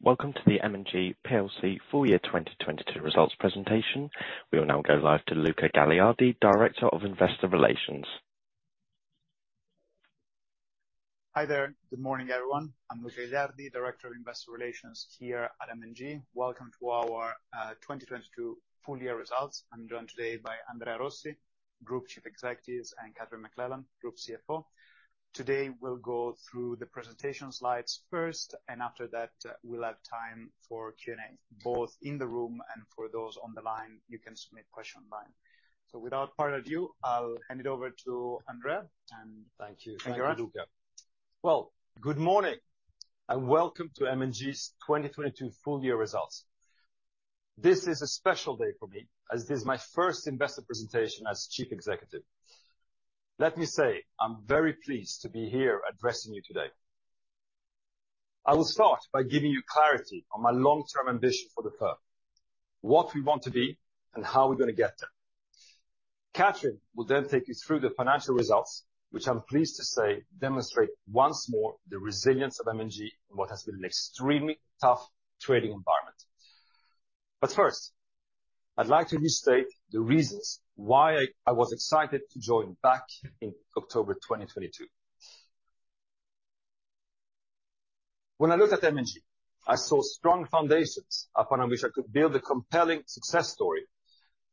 Welcome to the M&G plc Full Year 2022 Results Presentation. We will now go live to Luca Gagliardi, Director of Investor Relations. Hi there. Good morning, everyone. I'm Luca Gagliardi, Director of Investor Relations here at M&G. Welcome to our 2022 full year results. I'm joined today by Andrea Rossi, Group Chief Executive, and Kathryn McLeland, Group CFO. Today, we'll go through the presentation slides first, and after that, we'll have time for Q&A, both in the room and for those on the line, you can submit questions online. Without further ado, I'll hand it over to Andrea. Thank you. Andrea. Thank you, Luca. Good morning and welcome to M&G's 2022 full year results. This is a special day for me, as this is my first investor presentation as Chief Executive. Let me say, I'm very pleased to be here addressing you today. I will start by giving you clarity on my long-term ambition for the firm, what we want to be, and how we're gonna get there. Kathryn will then take you through the financial results, which I'm pleased to say demonstrate once more the resilience of M&G in what has been an extremely tough trading environment. First, I'd like to restate the reasons why I was excited to join back in October 2022. When I looked at M&G, I saw strong foundations upon which I could build a compelling success story,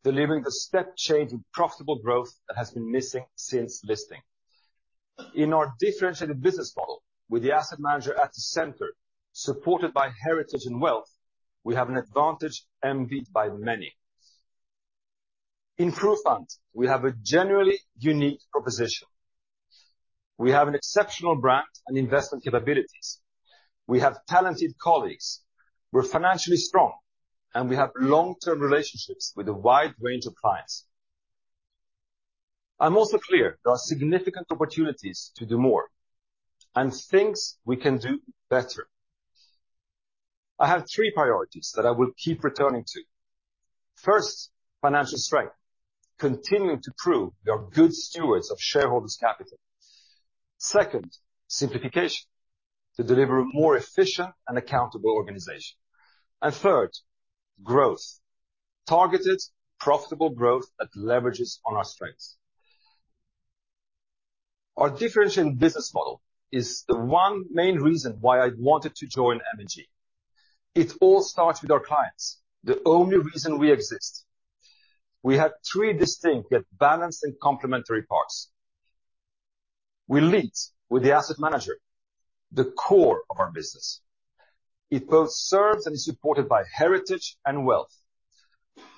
delivering the step change in profitable growth that has been missing since listing. In our differentiated business model, with the Asset Manager at the center, supported by heritage and wealth, we have an advantage envied by many. In PruFund, we have a generally unique proposition. We have an exceptional brand and investment capabilities. We have talented colleagues. We're financially strong, and we have long-term relationships with a wide range of clients. I'm also clear there are significant opportunities to do more and things we can do better. I have three priorities that I will keep returning to. First, financial strength, continuing to prove we are good stewards of shareholders' capital. Second, simplification to deliver a more efficient and accountable organization. Third, growth, targeted, profitable growth that leverages on our strengths. Our differentiating business model is the one main reason why I wanted to join M&G. It all starts with our clients, the only reason we exist. We have three distinct yet balanced and complementary parts. We lead with the Asset Manager, the core of our business. It both serves and is supported by heritage and wealth.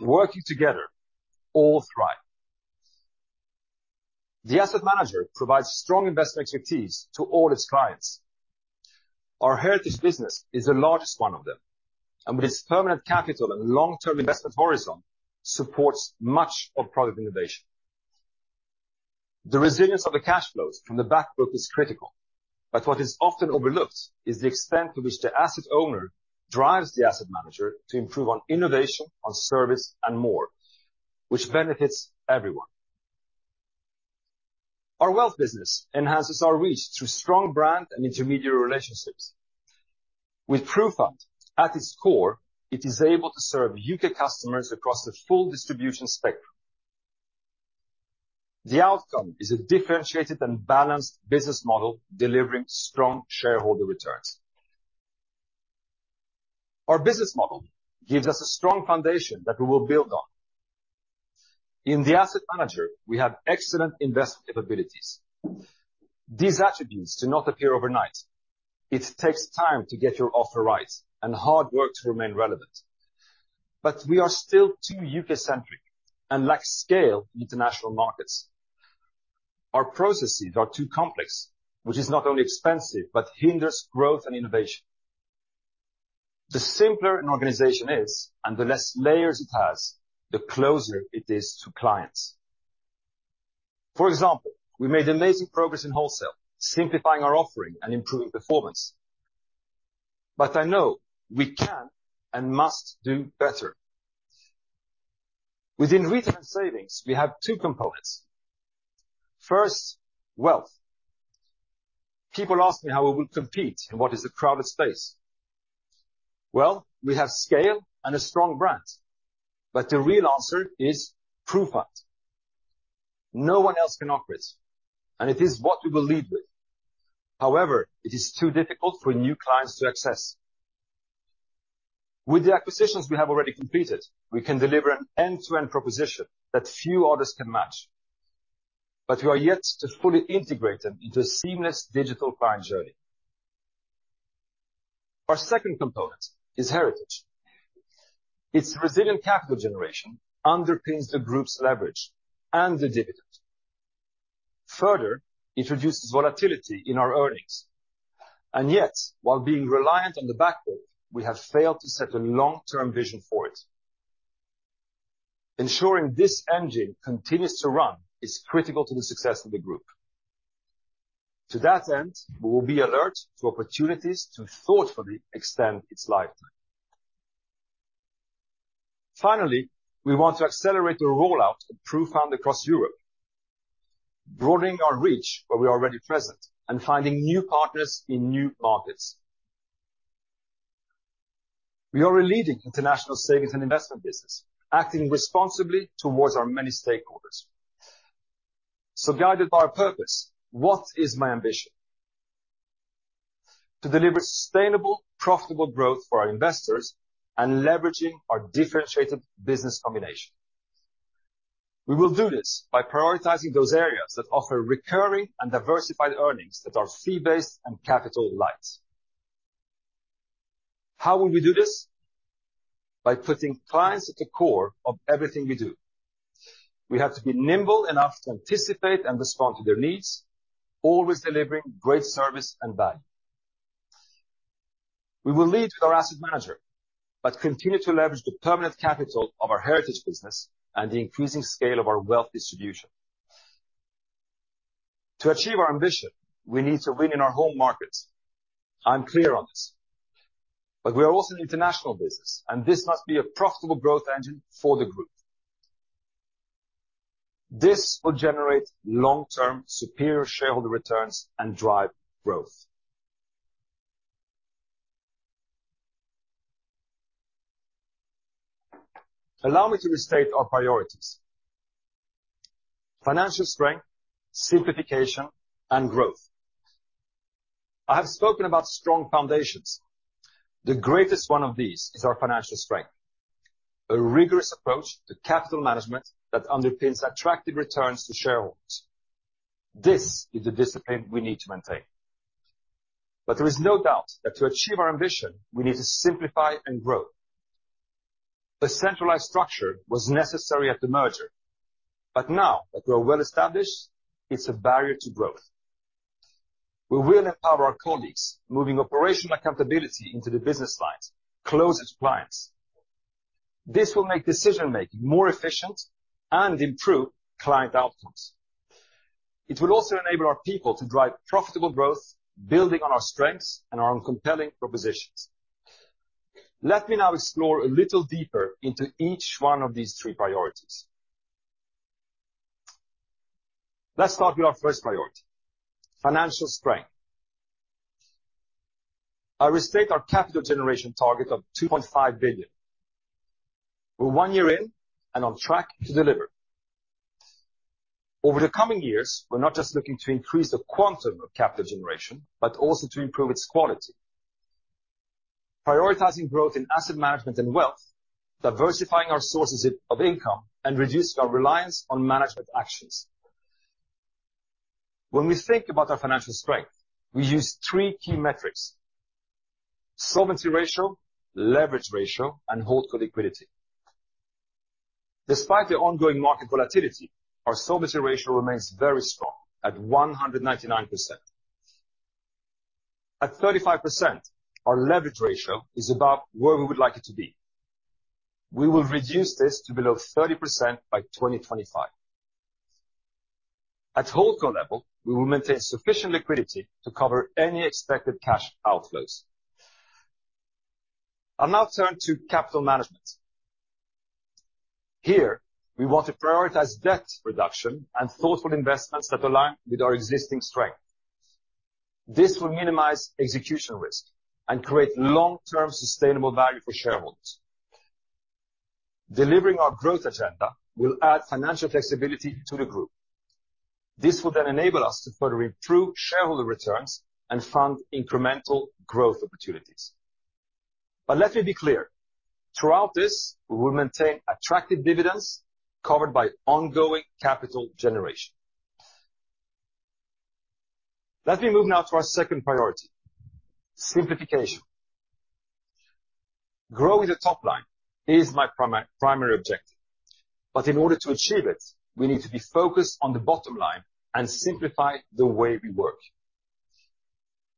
Working together all thrive. The Asset Manager provides strong investment expertise to all its clients. Our heritage business is the largest one of them, and with its permanent capital and long-term investment horizon, supports much of product innovation. The resilience of the cash flows from the back book is critical, but what is often overlooked is the extent to which the Asset Owner drives the Asset Manager to improve on innovation, on service, and more, which benefits everyone. Our wealth business enhances our reach through strong brand and intermediary relationships. With PruFund at its core, it is able to serve U.K. customers across the full distribution spectrum. The outcome is a differentiated and balanced business model delivering strong shareholder returns. Our business model gives us a strong foundation that we will build on. In the Asset Manager, we have excellent investment capabilities. These attributes do not appear overnight. It takes time to get your offer right and hard work to remain relevant. We are still too U.K.-centric and lack scale in international markets. Our processes are too complex, which is not only expensive, but hinders growth and innovation. The simpler an organization is and the less layers it has, the closer it is to clients. For example, we made amazing progress in wholesale, simplifying our offering and improving performance. I know we can and must do better. Within return savings, we have two components. First, wealth. People ask me how we will compete in what is a crowded space. Well, we have scale and a strong brand, but the real answer is PruFund. No one else can operate, and it is what we will lead with. However, it is too difficult for new clients to access. With the acquisitions we have already completed, we can deliver an end-to-end proposition that few others can match, but we are yet to fully integrate them into a seamless digital client journey. Our second component is heritage. Its resilient capital generation underpins the group's leverage and the dividend. Further, it reduces volatility in our earnings. Yet, while being reliant on the back book, we have failed to set a long-term vision for it. Ensuring this engine continues to run is critical to the success of the group. To that end, we will be alert to opportunities to thoughtfully extend its life. Finally, we want to accelerate the rollout of PruFund across Europe, broadening our reach where we are already present, and finding new partners in new markets. We are a leading international savings and investment business, acting responsibly towards our many stakeholders. Guided by our purpose, what is my ambition? To deliver sustainable, profitable growth for our investors and leveraging our differentiated business combination. We will do this by prioritizing those areas that offer recurring and diversified earnings that are fee-based and capital light. How will we do this? By putting clients at the core of everything we do. We have to be nimble enough to anticipate and respond to their needs, always delivering great service and value. We will lead with our Asset Manager, but continue to leverage the permanent capital of our heritage business and the increasing scale of our wealth distribution. To achieve our ambition, we need to win in our home markets. I'm clear on this. We are also an international business, and this must be a profitable growth engine for the group. This will generate long-term superior shareholder returns and drive growth. Allow me to restate our priorities. Financial strength, simplification, and growth. I have spoken about strong foundations. The greatest one of these is our financial strength, a rigorous approach to capital management that underpins attractive returns to shareholders. This is the discipline we need to maintain. There is no doubt that to achieve our ambition, we need to simplify and grow. The centralized structure was necessary at the merger, but now that we are well established, it's a barrier to growth. We will empower our colleagues, moving operational accountability into the business lines, closer to clients. This will make decision-making more efficient and improve client outcomes. It will also enable our people to drive profitable growth, building on our strengths and our own compelling propositions. Let me now explore a little deeper into each one of these three priorities. Let's start with our first priority, financial strength. I restate our capital generation target of 2.5 billion. We're one year in and on track to deliver. Over the coming years, we're not just looking to increase the quantum of capital generation, but also to improve its quality. Prioritizing growth in asset management and wealth, diversifying our sources of income, and reducing our reliance on management actions. When we think about our financial strength, we use three key metrics: solvency ratio, leverage ratio, and HoldCo liquidity. Despite the ongoing market volatility, our solvency ratio remains very strong at 199%. At 35%, our leverage ratio is about where we would like it to be. We will reduce this to below 30% by 2025. At HoldCo level, we will maintain sufficient liquidity to cover any expected cash outflows. I'll now turn to capital management. Here, we want to prioritize debt reduction and thoughtful investments that align with our existing strength. This will minimize execution risk and create long-term sustainable value for shareholders. Delivering our growth agenda will add financial flexibility to the group. This will then enable us to further improve shareholder returns and fund incremental growth opportunities. Let me be clear. Throughout this, we will maintain attractive dividends covered by ongoing capital generation. Let me move now to our second priority, simplification. Growing the top line is my primary objective, In order to achieve it, we need to be focused on the bottom line and simplify the way we work.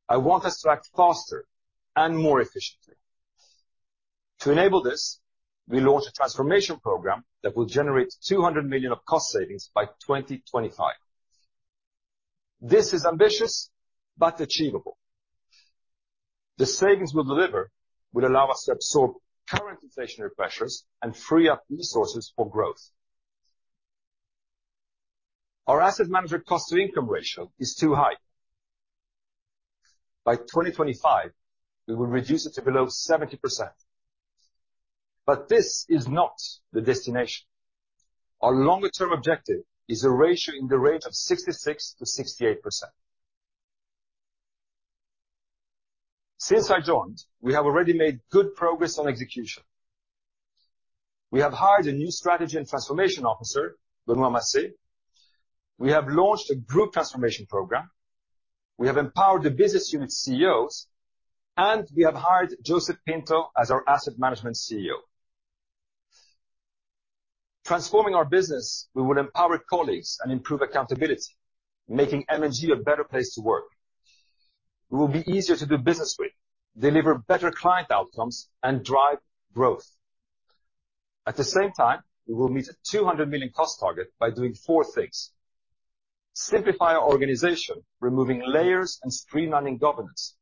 I want us to act faster and more efficiently. To enable this, we launch a transformation program that will generate 200 million of cost savings by 2025. This is ambitious but achievable. The savings we'll deliver will allow us to absorb current inflationary pressures and free up resources for growth. Our asset management cost-to-income ratio is too high. By 2025, we will reduce it to below 70%. This is not the destination. Our longer term objective is a ratio in the range of 66%-68%. Since I joined, we have already made good progress on execution. We have hired a new strategy and transformation officer, Benoît Macé. We have launched a group transformation program, we have empowered the business unit CEOs, we have hired Joseph Pinto as our asset management CEO. Transforming our business, we will empower colleagues and improve accountability, making M&G a better place to work. We will be easier to do business with, deliver better client outcomes, and drive growth. At the same time, we will meet a 200 million cost target by doing four things. Simplify our organization, removing layers and streamlining governance.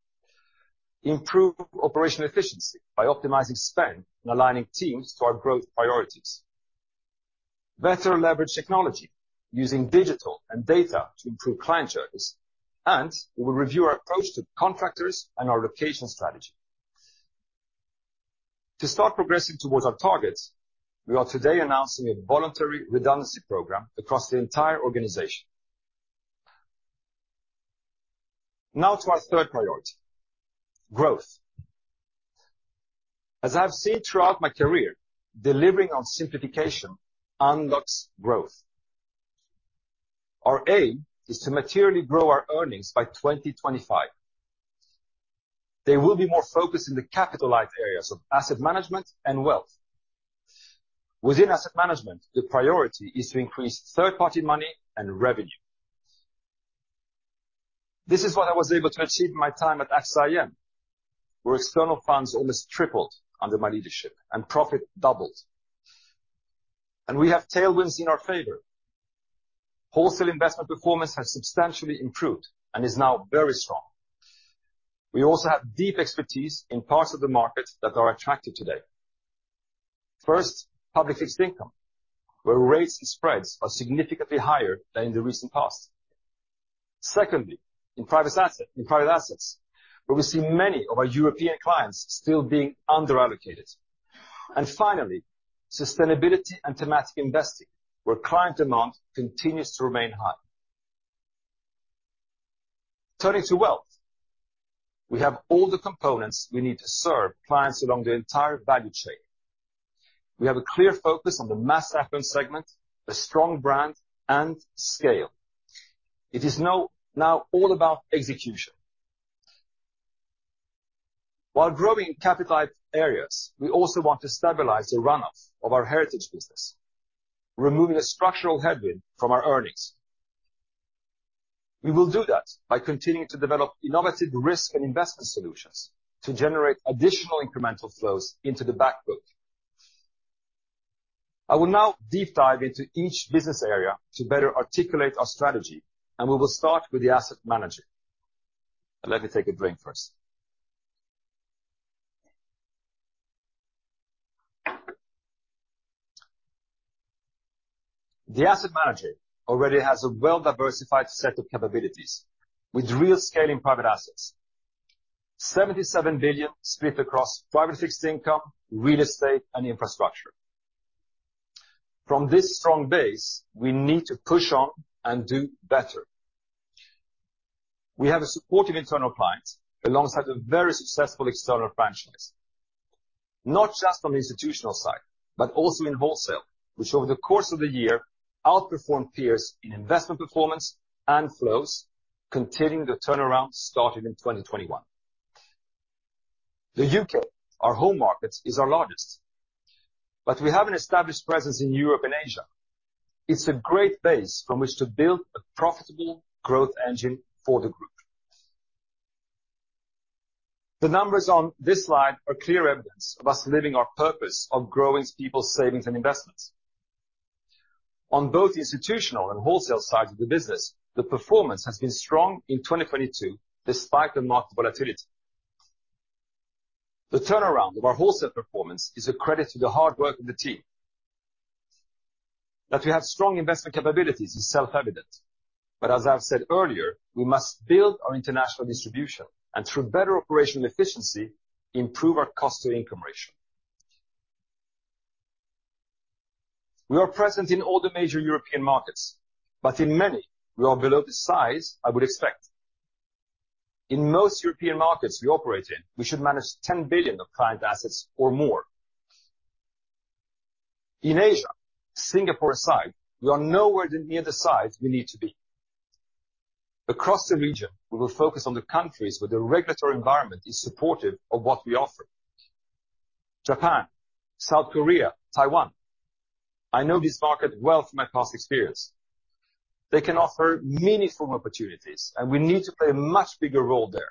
Improve operational efficiency by optimizing spend and aligning teams to our growth priorities. Better leverage technology using digital and data to improve client service. We will review our approach to contractors and our location strategy. To start progressing towards our targets, we are today announcing a voluntary redundancy program across the entire organization. To our third priority, growth. As I've seen throughout my career, delivering on simplification unlocks growth. Our aim is to materially grow our earnings by 2025. They will be more focused in the capitalized areas of asset management and wealth. Within asset management, the priority is to increase third-party money and revenue. This is what I was able to achieve in my time at AXA IM, where external funds almost tripled under my leadership and profit doubled. We have tailwinds in our favor. Wholesale investment performance has substantially improved and is now very strong. We also have deep expertise in parts of the market that are attractive today. First, public fixed income, where rates and spreads are significantly higher than in the recent past. Secondly, in private asset, in private assets, where we see many of our European clients still being under-allocated. Finally, sustainability and thematic investing, where client demand continues to remain high. Turning to wealth, we have all the components we need to serve clients along the entire value chain. We have a clear focus on the mass affluent segment, a strong brand and scale. It is now all about execution. While growing capitalized areas, we also want to stabilize the run of our heritage business, removing a structural headwind from our earnings. We will do that by continuing to develop innovative risk and investment solutions to generate additional incremental flows into the back book. I will now deep dive into each business area to better articulate our strategy, and we will start with the Asset Manager. Let me take a drink first. The Asset Manager already has a well-diversified set of capabilities with real scale in private assets. 77 billion split across private fixed income, real estate and infrastructure. From this strong base, we need to push on and do better. We have a supportive internal clients alongside a very successful external franchise, not just on the institutional side, but also in wholesale, which over the course of the year outperformed peers in investment performance and flows, continuing the turnaround started in 2021. The U.K., our home market, is our largest. We have an established presence in Europe and Asia. It's a great base from which to build a profitable growth engine for the group. The numbers on this slide are clear evidence of us living our purpose of growing people's savings and investments. On both institutional and wholesale side of the business, the performance has been strong in 2022, despite the market volatility. The turnaround of our wholesale performance is a credit to the hard work of the team. That we have strong investment capabilities is self-evident. As I've said earlier, we must build our international distribution and through better operational efficiency, improve our cost-to-income ratio. We are present in all the major European markets, but in many we are below the size I would expect. In most European markets we operate in, we should manage 10 billion of client assets or more. In Asia, Singapore aside, we are nowhere near the size we need to be. Across the region, we will focus on the countries where the regulatory environment is supportive of what we offer. Japan, South Korea, Taiwan. I know this market well from my past experience. They can offer meaningful opportunities. We need to play a much bigger role there.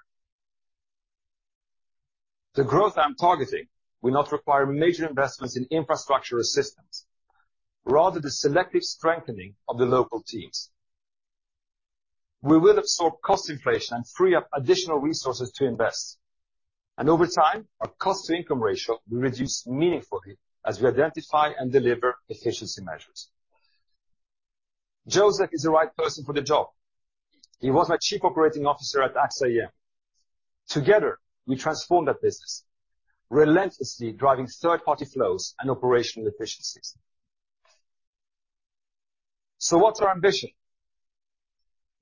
The growth I'm targeting will not require major investments in infrastructure or systems, rather the selective strengthening of the local teams. We will absorb cost inflation and free up additional resources to invest. Over time, our cost-to-income ratio will reduce meaningfully as we identify and deliver efficiency measures. Joseph is the right person for the job. He was my chief operating officer at AXA IM. Together, we transformed that business, relentlessly driving third-party flows and operational efficiencies. What's our ambition?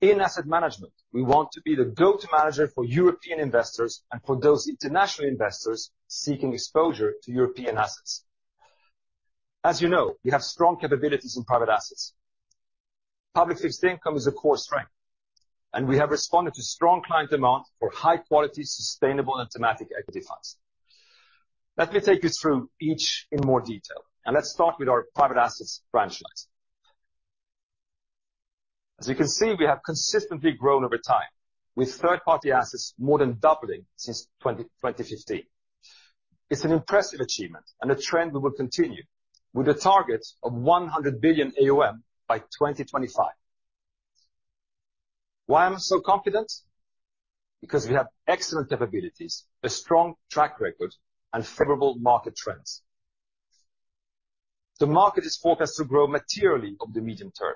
In asset management, we want to be the go-to manager for European investors and for those international investors seeking exposure to European assets. As you know, we have strong capabilities in private assets. Public fixed income is a core strength. We have responded to strong client demand for high-quality, sustainable and thematic equity funds. Let me take you through each in more detail. Let's start with our private assets franchise. As you can see, we have consistently grown over time with third-party assets more than doubling since 2015. It's an impressive achievement. A trend we will continue with a target of 100 billion AUM by 2025. Why am I so confident? Because we have excellent capabilities, a strong track record, and favorable market trends. The market is forecast to grow materially over the medium term.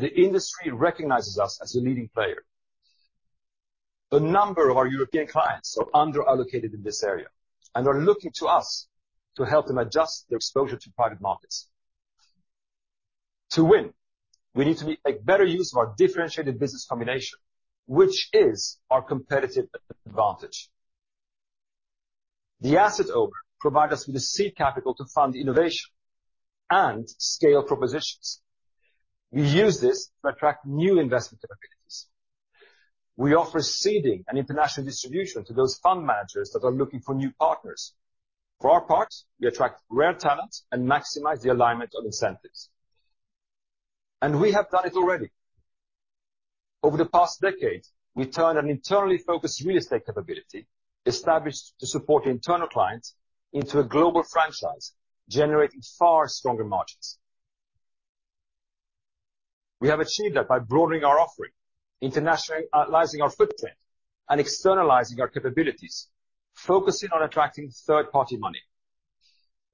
The industry recognizes us as a leading player. A number of our European clients are under-allocated in this area and are looking to us to help them adjust their exposure to private markets. To win, we need to make better use of our differentiated business combination, which is our competitive advantage. The Asset Owner provide us with the seed capital to fund innovation and scale propositions. We use this to attract new investment capabilities. We offer seeding and international distribution to those fund managers that are looking for new partners. For our parts, we attract rare talents and maximize the alignment of incentives. We have done it already. Over the past decade, we turned an internally focused real estate capability established to support internal clients into a global franchise, generating far stronger margins. We have achieved that by broadening our offering, internationalizing our footprint, and externalizing our capabilities, focusing on attracting third-party money.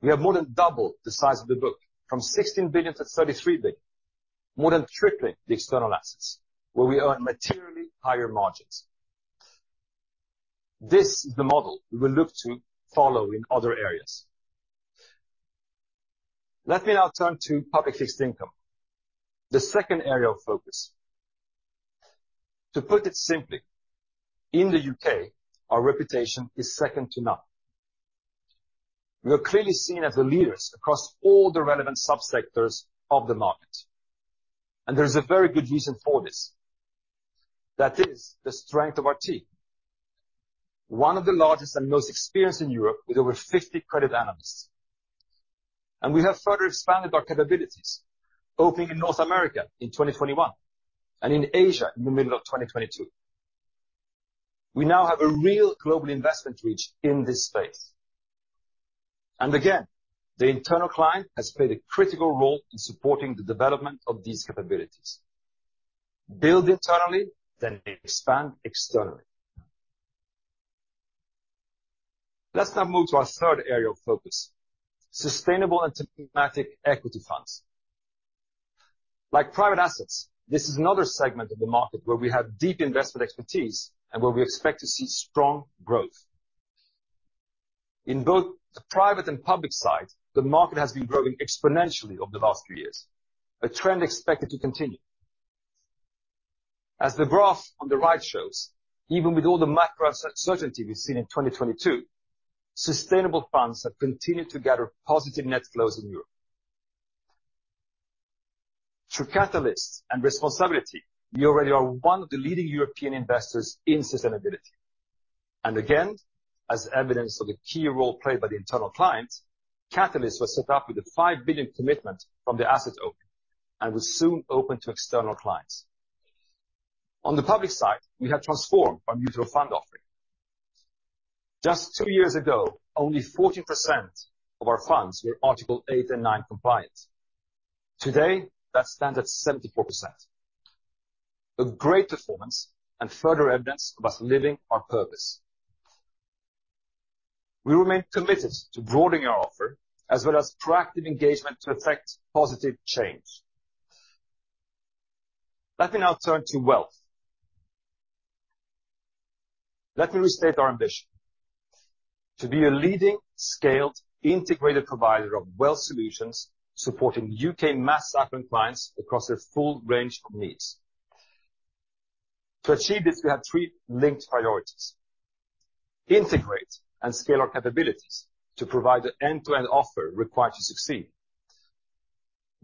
We have more than doubled the size of the book from 16 billion to 33 billion, more than tripling the external assets, where we earn materially higher margins. This is the model we will look to follow in other areas. Let me now turn to public fixed income, the second area of focus. To put it simply, in the U.K., our reputation is second to none. We are clearly seen as the leaders across all the relevant subsectors of the market, and there is a very good reason for this. That is the strength of our team, one of the largest and most experienced in Europe with over 50 credit analysts. We have further expanded our capabilities, opening in North America in 2021 and in Asia in the middle of 2022. We now have a real global investment reach in this space. Again, the internal client has played a critical role in supporting the development of these capabilities. Build internally, then expand externally. Let's now move to our third area of focus, sustainable and thematic equity funds. Like private assets, this is another segment of the market where we have deep investment expertise and where we expect to see strong growth. In both the private and public side, the market has been growing exponentially over the past few years, a trend expected to continue. As the graph on the right shows, even with all the macro uncertainty we've seen in 2022, sustainable funds have continued to gather positive net flows in Europe. Through Catalyst and responsAbility, we already are one of the leading European investors in sustainability. Again, as evidence of a key role played by the internal clients, Catalyst was set up with a 5 billion commitment from the Asset Owner and will soon open to external clients. On the public side, we have transformed our mutual fund offering. Just two years ago, only 14% of our funds were Article 8 and 9 compliant. Today, that stands at 74%. A great performance and further evidence of us living our purpose. We remain committed to broadening our offer as well as proactive engagement to effect positive change. Let me now turn to wealth. Let me restate our ambition. To be a leading, scaled, integrated provider of wealth solutions supporting U.K. mass affluent clients across a full range of needs. To achieve this, we have three linked priorities. Integrate and scale our capabilities to provide the end-to-end offer required to succeed.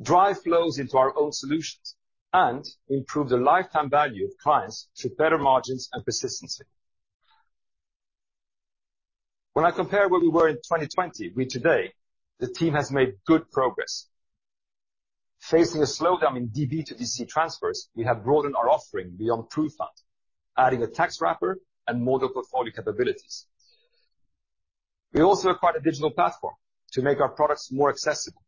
Drive flows into our own solutions and improve the lifetime value of clients through better margins and persistency. When I compare where we were in 2020 with today, the team has made good progress. Facing a slowdown in DB to DC transfers, we have broadened our offering beyond PruFund, adding a tax wrapper and model portfolio capabilities. We also acquired a digital platform to make our products more accessible.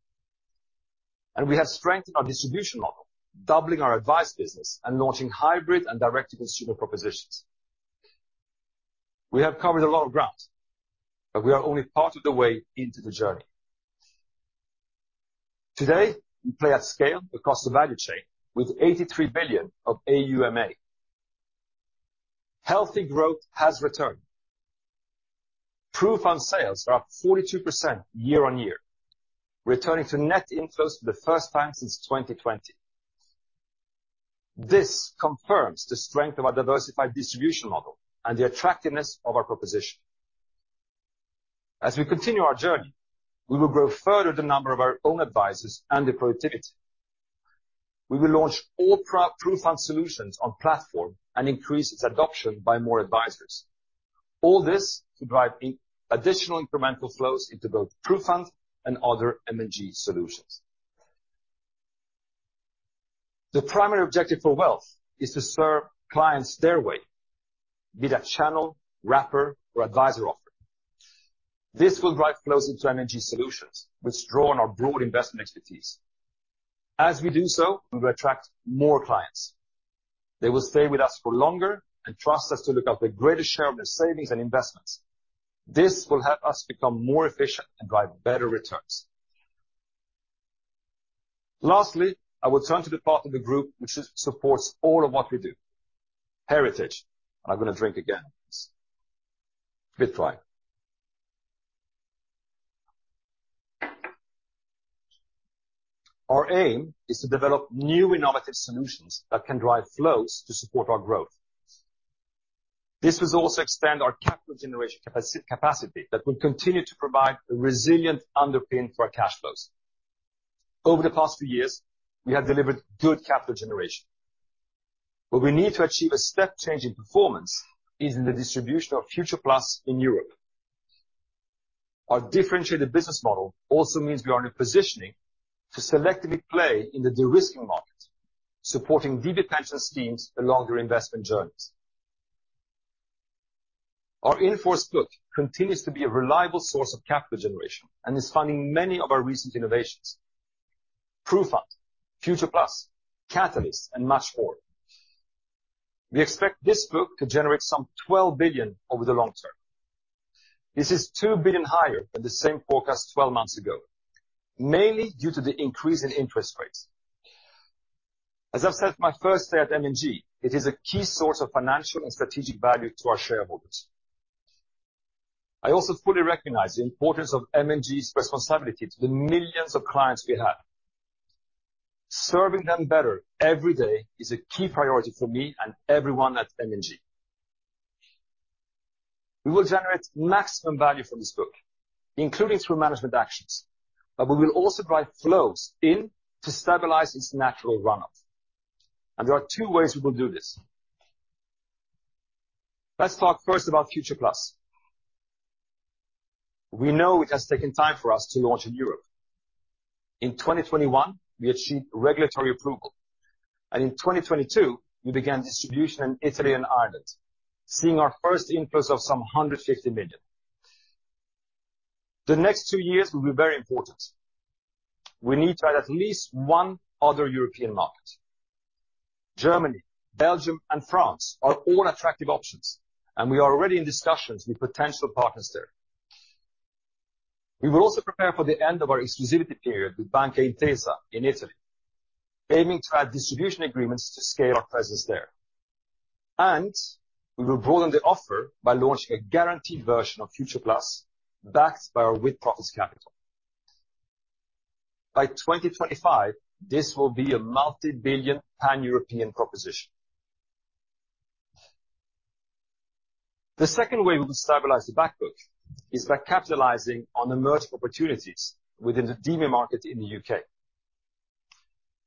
We have strengthened our distribution model, doubling our advice business and launching hybrid and direct-to-consumer propositions. We have covered a lot of ground, we are only part of the way into the journey. Today, we play at scale across the value chain with 83 billion of AUMA. Healthy growth has returned. PruFund sales are up 42% year-on-year, returning to net inflows for the first time since 2020. This confirms the strength of our diversified distribution model and the attractiveness of our proposition. As we continue our journey, we will grow further the number of our own advisors and their productivity. We will launch all PruFund solutions on platform and increase its adoption by more advisors. All this to drive in additional incremental flows into both PruFund and other M&G solutions. The primary objective for wealth is to serve clients their way, be that channel, wrapper, or advisor offer. This will drive flows into M&G solutions, which draw on our broad investment expertise. As we do so, we will attract more clients. They will stay with us for longer and trust us to look after the greatest share of their savings and investments. This will help us become more efficient and drive better returns. Lastly, I will turn to the part of the group which supports all of what we do, heritage. I'm gonna drink again. Fifth try. Our aim is to develop new innovative solutions that can drive flows to support our growth. This will also extend our capital generation capacity that will continue to provide a resilient underpin for our cash flows. Over the past few years, we have delivered good capital generation. Where we need to achieve a step change in performance is in the distribution of Future+ in Europe. Our differentiated business model also means we are in a positioning to selectively play in the de-risking market, supporting DB pension schemes and longer investment journeys. Our in-force book continues to be a reliable source of capital generation and is funding many of our recent innovations. PruFund, Future+, Catalyst, and much more. We expect this book to generate some 12 billion over the long term. This is 2 billion higher than the same forecast 12 months ago, mainly due to the increase in interest rates. As I've said my first day at M&G, it is a key source of financial and strategic value to our shareholders. I also fully recognize the importance of M&G's responsibility to the millions of clients we have. Serving them better every day is a key priority for me and everyone at M&G. We will generate maximum value from this book, including through management actions, but we will also drive flows in to stabilize its natural run-off. There are two ways we will do this. Let's talk first about Future+. We know it has taken time for us to launch in Europe. In 2021, we achieved regulatory approval, and in 2022, we began distribution in Italy and Ireland, seeing our first inflows of some 150 million. The next two years will be very important. We need to add at least one other European market. Germany, Belgium, and France are all attractive options, and we are already in discussions with potential partners there. We will also prepare for the end of our exclusivity period with Intesa Sanpaolo in Italy, aiming to add distribution agreements to scale our presence there. We will broaden the offer by launching a guaranteed version of Future+ backed by our with-profits capital. By 2025, this will be a multi-billion pan-European proposition. The second way we will stabilize the back book is by capitalizing on emerging opportunities within the DB market in the U.K.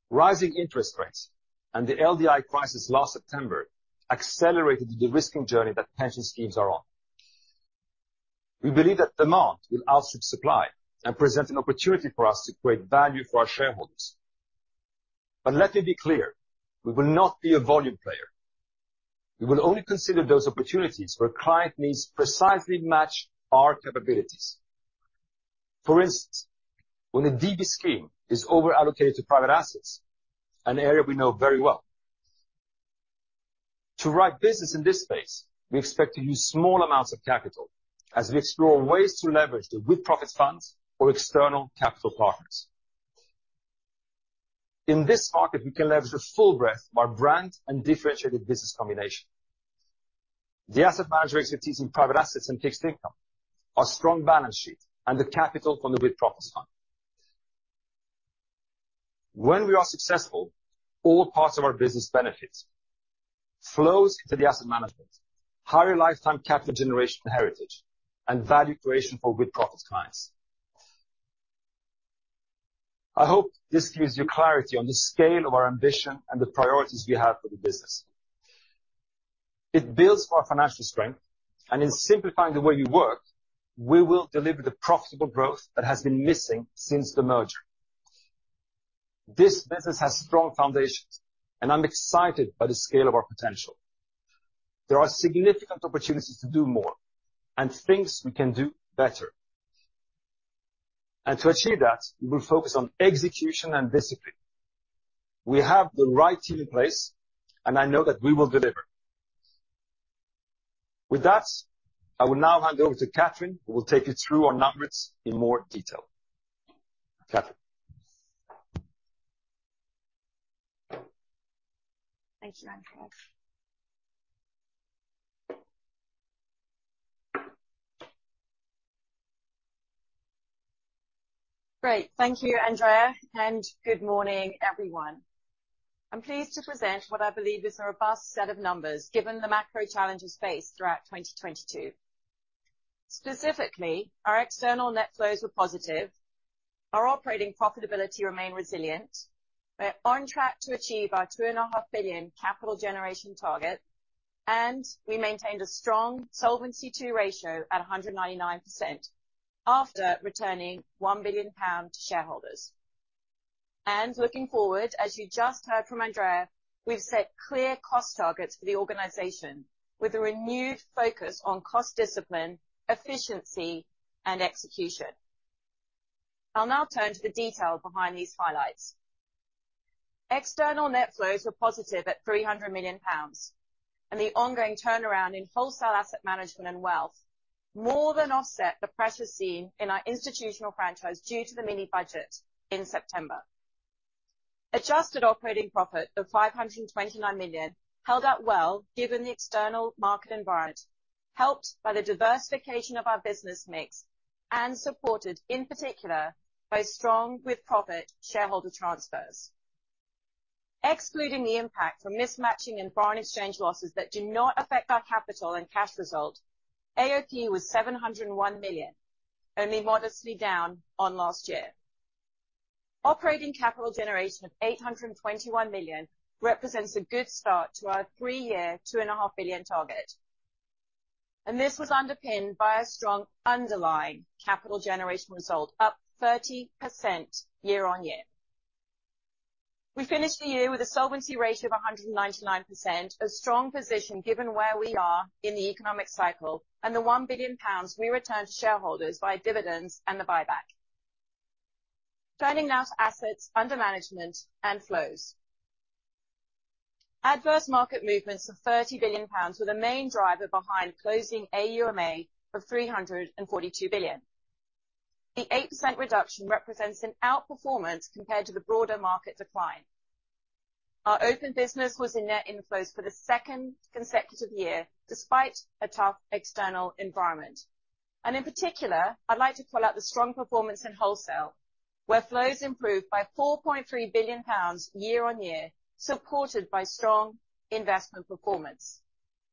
Rising interest rates and the LDI crisis last September accelerated the de-risking journey that pension schemes are on. We believe that demand will outstrip supply and present an opportunity for us to create value for our shareholders. Let me be clear, we will not be a volume player. We will only consider those opportunities where client needs precisely match our capabilities. For instance, when a DB scheme is over-allocated to private assets, an area we know very well. To write business in this space, we expect to use small amounts of capital as we explore ways to leverage the with-profits funds or external capital partners. In this market, we can leverage the full breadth of our brand and differentiated business combination. The Asset Manager expertise in private assets and fixed income, our strong balance sheet, and the capital from the with-profits fund. When we are successful, all parts of our business benefits. Flows into the asset management, higher lifetime capital generation heritage, and value creation for with-profits clients. I hope this gives you clarity on the scale of our ambition and the priorities we have for the business. It builds our financial strength, and in simplifying the way we work, we will deliver the profitable growth that has been missing since the merger. This business has strong foundations, and I'm excited by the scale of our potential. There are significant opportunities to do more and things we can do better. To achieve that, we will focus on execution and discipline. We have the right team in place, and I know that we will deliver. With that, I will now hand over to Kathryn, who will take you through our numbers in more detail. Kathryn. Thank you, Andrea. Great. Thank you, Andrea, and good morning, everyone. I'm pleased to present what I believe is a robust set of numbers given the macro challenges faced throughout 2022. Specifically, our external net flows were positive. Our operating profitability remained resilient. We're on track to achieve our 2.5 billion capital generation target, and we maintained a strong Solvency II ratio at 199% after returning 1 billion pound to shareholders. Looking forward, as you just heard from Andrea, we've set clear cost targets for the organization with a renewed focus on cost discipline, efficiency, and execution. I'll now turn to the detail behind these highlights. External net flows were positive at 300 million pounds. The ongoing turnaround in wholesale asset management and wealth more than offset the pressure seen in our institutional franchise due to the mini-budget in September. Adjusted operating profit of 529 million held up well, given the external market environment, helped by the diversification of our business mix and supported, in particular, by strong with-profit shareholder transfers. Excluding the impact from mismatching and foreign exchange losses that do not affect our capital and cash result, AOP was 701 million, only modestly down on last year. Operating capital generation of 821 million represents a good start to our three-year, 2.5 billion target. This was underpinned by a strong underlying capital generation result, up 30% year-on-year. We finished the year with a solvency ratio of 199%, a strong position given where we are in the economic cycle, and the 1 billion pounds we returned to shareholders by dividends and the buyback. Turning now to assets under management and flows. Adverse market movements of 30 billion pounds were the main driver behind closing AUMA of 342 billion. The 8% reduction represents an outperformance compared to the broader market decline. Our open business was in net inflows for the second consecutive year, despite a tough external environment. In particular, I'd like to call out the strong performance in wholesale, where flows improved by 4.3 billion pounds year-on-year, supported by strong investment performance.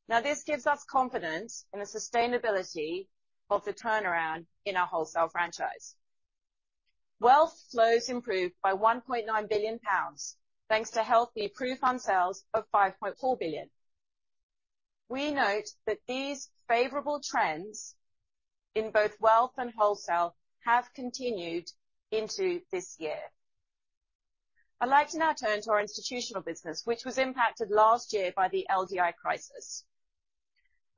This gives us confidence in the sustainability of the turnaround in our wholesale franchise. Wealth flows improved by 1.9 billion pounds thanks to healthy PruFund sales of 5.4 billion. We note that these favorable trends in both wealth and wholesale have continued into this year. I'd like to now turn to our institutional business, which was impacted last year by the LDI crisis.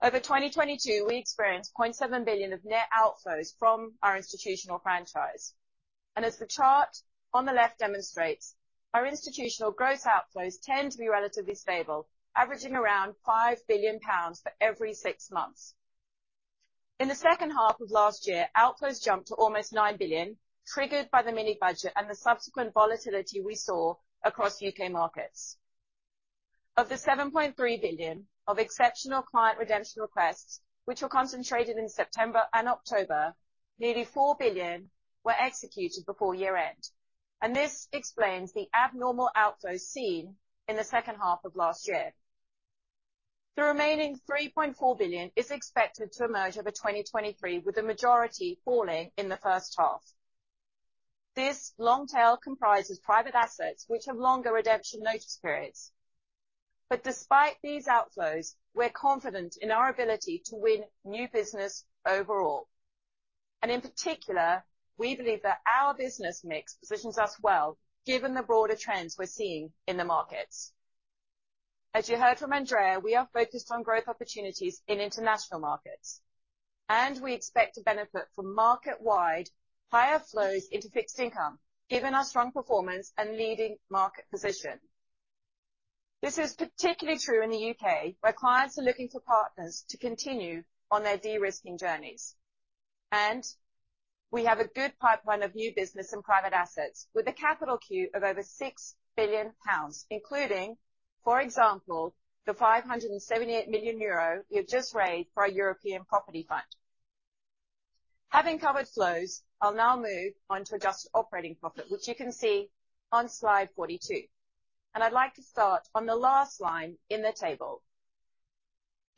Over 2022, we experienced 0.7 billion of net outflows from our institutional franchise. As the chart on the left demonstrates, our institutional gross outflows tend to be relatively stable, averaging around 5 billion pounds for every six months. In the second half of last year, outflows jumped to almost 9 billion, triggered by the mini-budget and the subsequent volatility we saw across U.K. markets. Of the 7.3 billion of exceptional client redemption requests, which were concentrated in September and October, nearly 4 billion were executed before year-end. This explains the abnormal outflows seen in the second half of last year. The remaining 3.4 billion is expected to emerge over 2023, with the majority falling in the first half. This long tail comprises private assets which have longer redemption notice periods. Despite these outflows, we're confident in our ability to win new business overall. In particular, we believe that our business mix positions us well, given the broader trends we're seeing in the markets. As you heard from Andrea, we are focused on growth opportunities in international markets, and we expect to benefit from market-wide higher flows into fixed income, given our strong performance and leading market position. This is particularly true in the U.K., where clients are looking for partners to continue on their de-risking journeys. We have a good pipeline of new business and private assets with a capital queue of over 6 billion pounds, including, for example, the 578 million euro we have just raised for our European property fund. Having covered flows, I'll now move on to adjusted operating profit, which you can see on slide 42. I'd like to start on the last line in the table.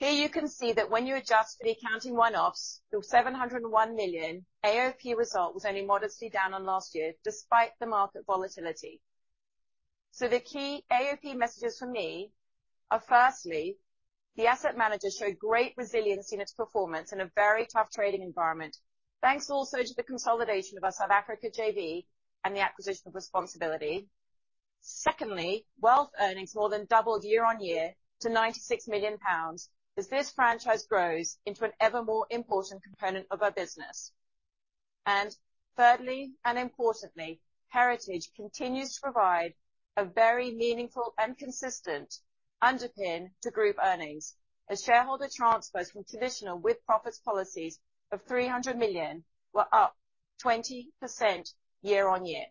Here you can see that when you adjust for the accounting one-offs, the 701 million AOP result was only modestly down on last year, despite the market volatility. The key AOP messages for me are firstly, the Asset Manager showed great resilience in its performance in a very tough trading environment, thanks also to the consolidation of our South Africa JV and the acquisition of responsAbility. Secondly, wealth earnings more than doubled year-on-year to 96 million pounds as this franchise grows into an ever more important component of our business. Thirdly, and importantly, Heritage continues to provide a very meaningful and consistent underpin to group earnings as shareholder transfers from traditional with-profits policies of 300 million were up 20% year-on-year.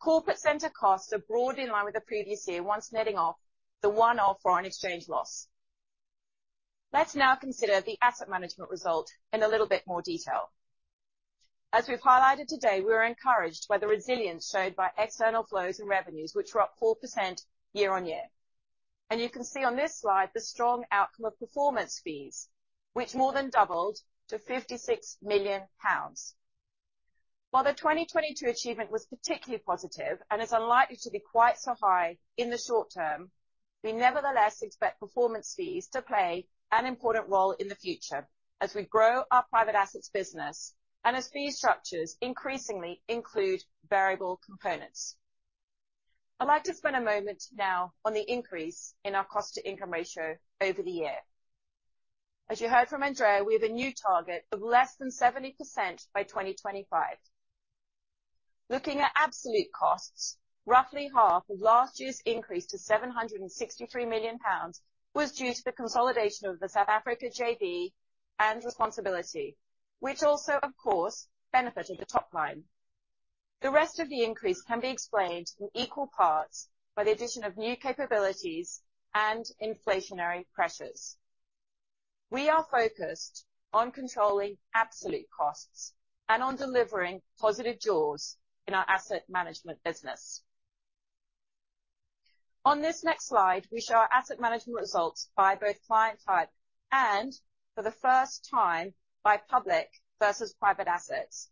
Corporate center costs are broadly in line with the previous year, once netting off the one-off foreign exchange loss. Let's now consider the asset management result in a little bit more detail. As we've highlighted today, we are encouraged by the resilience showed by external flows and revenues, which were up 4% year-on-year. You can see on this slide the strong outcome of performance fees, which more than doubled to 56 million pounds. While the 2022 achievement was particularly positive and is unlikely to be quite so high in the short term. We nevertheless expect performance fees to play an important role in the future as we grow our private assets business and as fee structures increasingly include variable components. I'd like to spend a moment now on the increase in our cost-to-income ratio over the year. As you heard from Andrea, we have a new target of less than 70% by 2025. Looking at absolute costs, roughly half of last year's increase to 763 million pounds was due to the consolidation of the South Africa JV and responsAbility, which also, of course, benefited the top line. The rest of the increase can be explained in equal parts by the addition of new capabilities and inflationary pressures. We are focused on controlling absolute costs and on delivering positive jaws in our asset management business. On this next slide, we show our asset management results by both client type and, for the first time, by public versus private assets.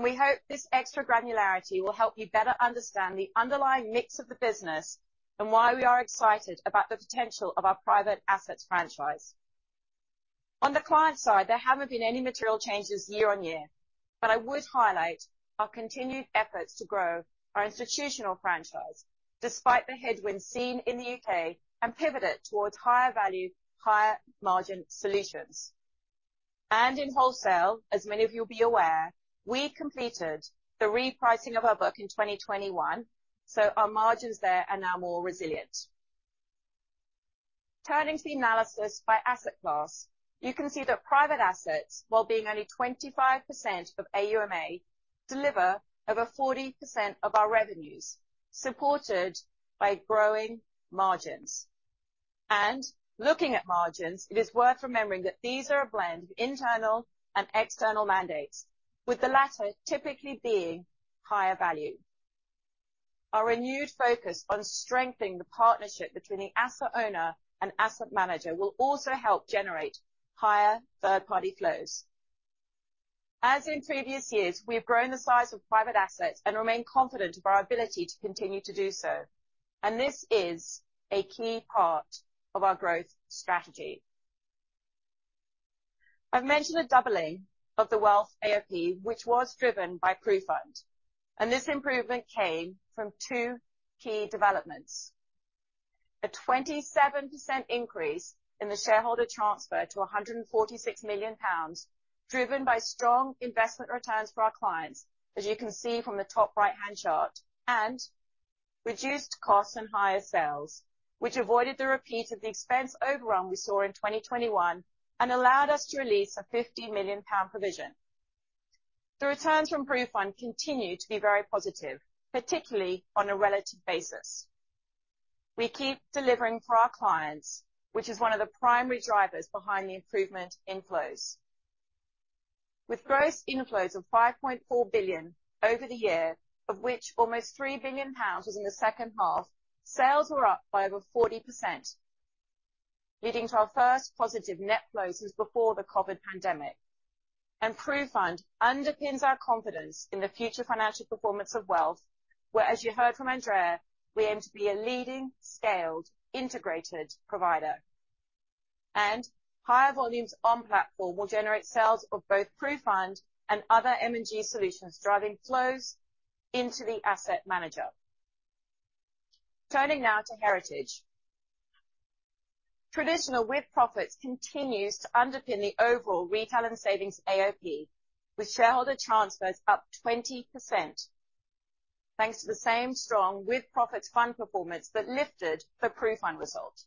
We hope this extra granularity will help you better understand the underlying mix of the business and why we are excited about the potential of our private assets franchise. On the client side, there haven't been any material changes year-on-year, but I would highlight our continued efforts to grow our institutional franchise despite the headwinds seen in the U.K. and pivot it towards higher value, higher margin solutions. In wholesale, as many of you will be aware, we completed the repricing of our book in 2021, so our margins there are now more resilient. Turning to the analysis by asset class, you can see that private assets, while being only 25% of AUMA, deliver over 40% of our revenues, supported by growing margins. Looking at margins, it is worth remembering that these are a blend of internal and external mandates, with the latter typically being higher value. Our renewed focus on strengthening the partnership between the Asset Owner and Asset Manager will also help generate higher third-party flows. As in previous years, we have grown the size of private assets and remain confident of our ability to continue to do so. This is a key part of our growth strategy. I've mentioned a doubling of the wealth AOP, which was driven by PruFund, and this improvement came from two key developments. A 27% increase in the shareholder transfer to 146 million pounds, driven by strong investment returns for our clients, as you can see from the top right-hand chart, and reduced costs and higher sales, which avoided the repeat of the expense overrun we saw in 2021 and allowed us to release a 50 million pound provision. The returns from PruFund continue to be very positive, particularly on a relative basis. We keep delivering for our clients, which is one of the primary drivers behind the improvement in flows. With gross inflows of 5.4 billion over the year, of which almost 3 billion pounds was in the second half, sales were up by over 40%, leading to our first positive net flow since before the COVID pandemic. PruFund underpins our confidence in the future financial performance of Wealth, where, as you heard from Andrea, we aim to be a leading, scaled, integrated provider. Higher volumes on platform will generate sales of both PruFund and other M&G solutions, driving flows into the Asset Manager. Turning now to Heritage. Traditional with-profits continues to underpin the overall retail and savings AOP, with shareholder transfers up 20%, thanks to the same strong with-profits fund performance that lifted the PruFund result.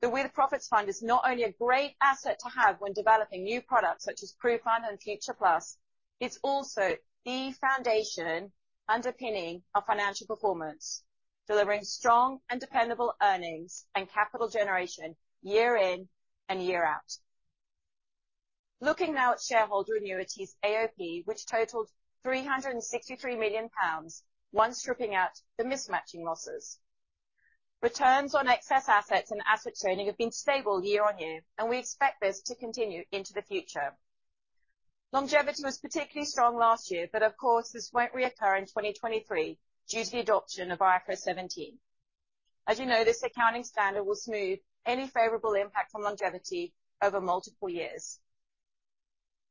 The with-profits fund is not only a great asset to have when developing new products such as PruFund and Future+, it's also the foundation underpinning our financial performance, delivering strong and dependable earnings and capital generation year in and year out. Looking now at shareholder annuities AOP, which totaled 363 million pounds, stripping out the mismatching losses. Returns on excess assets and asset churning have been stable year-over-year. We expect this to continue into the future. Longevity was particularly strong last year, of course, this won't reoccur in 2023 due to the adoption of IFRS 17. As you know, this accounting standard will smooth any favorable impact on longevity over multiple years.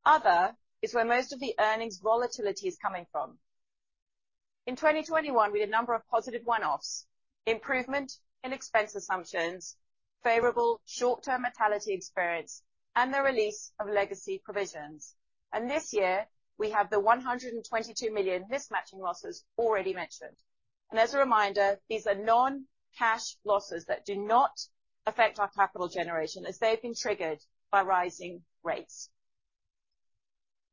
Other is where most of the earnings volatility is coming from. In 2021, we had a number of positive one-offs, improvement in expense assumptions, favorable short-term mortality experience, and the release of legacy provisions. This year, we have the 122 million mismatching losses already mentioned. As a reminder, these are non-cash losses that do not affect our capital generation as they have been triggered by rising rates.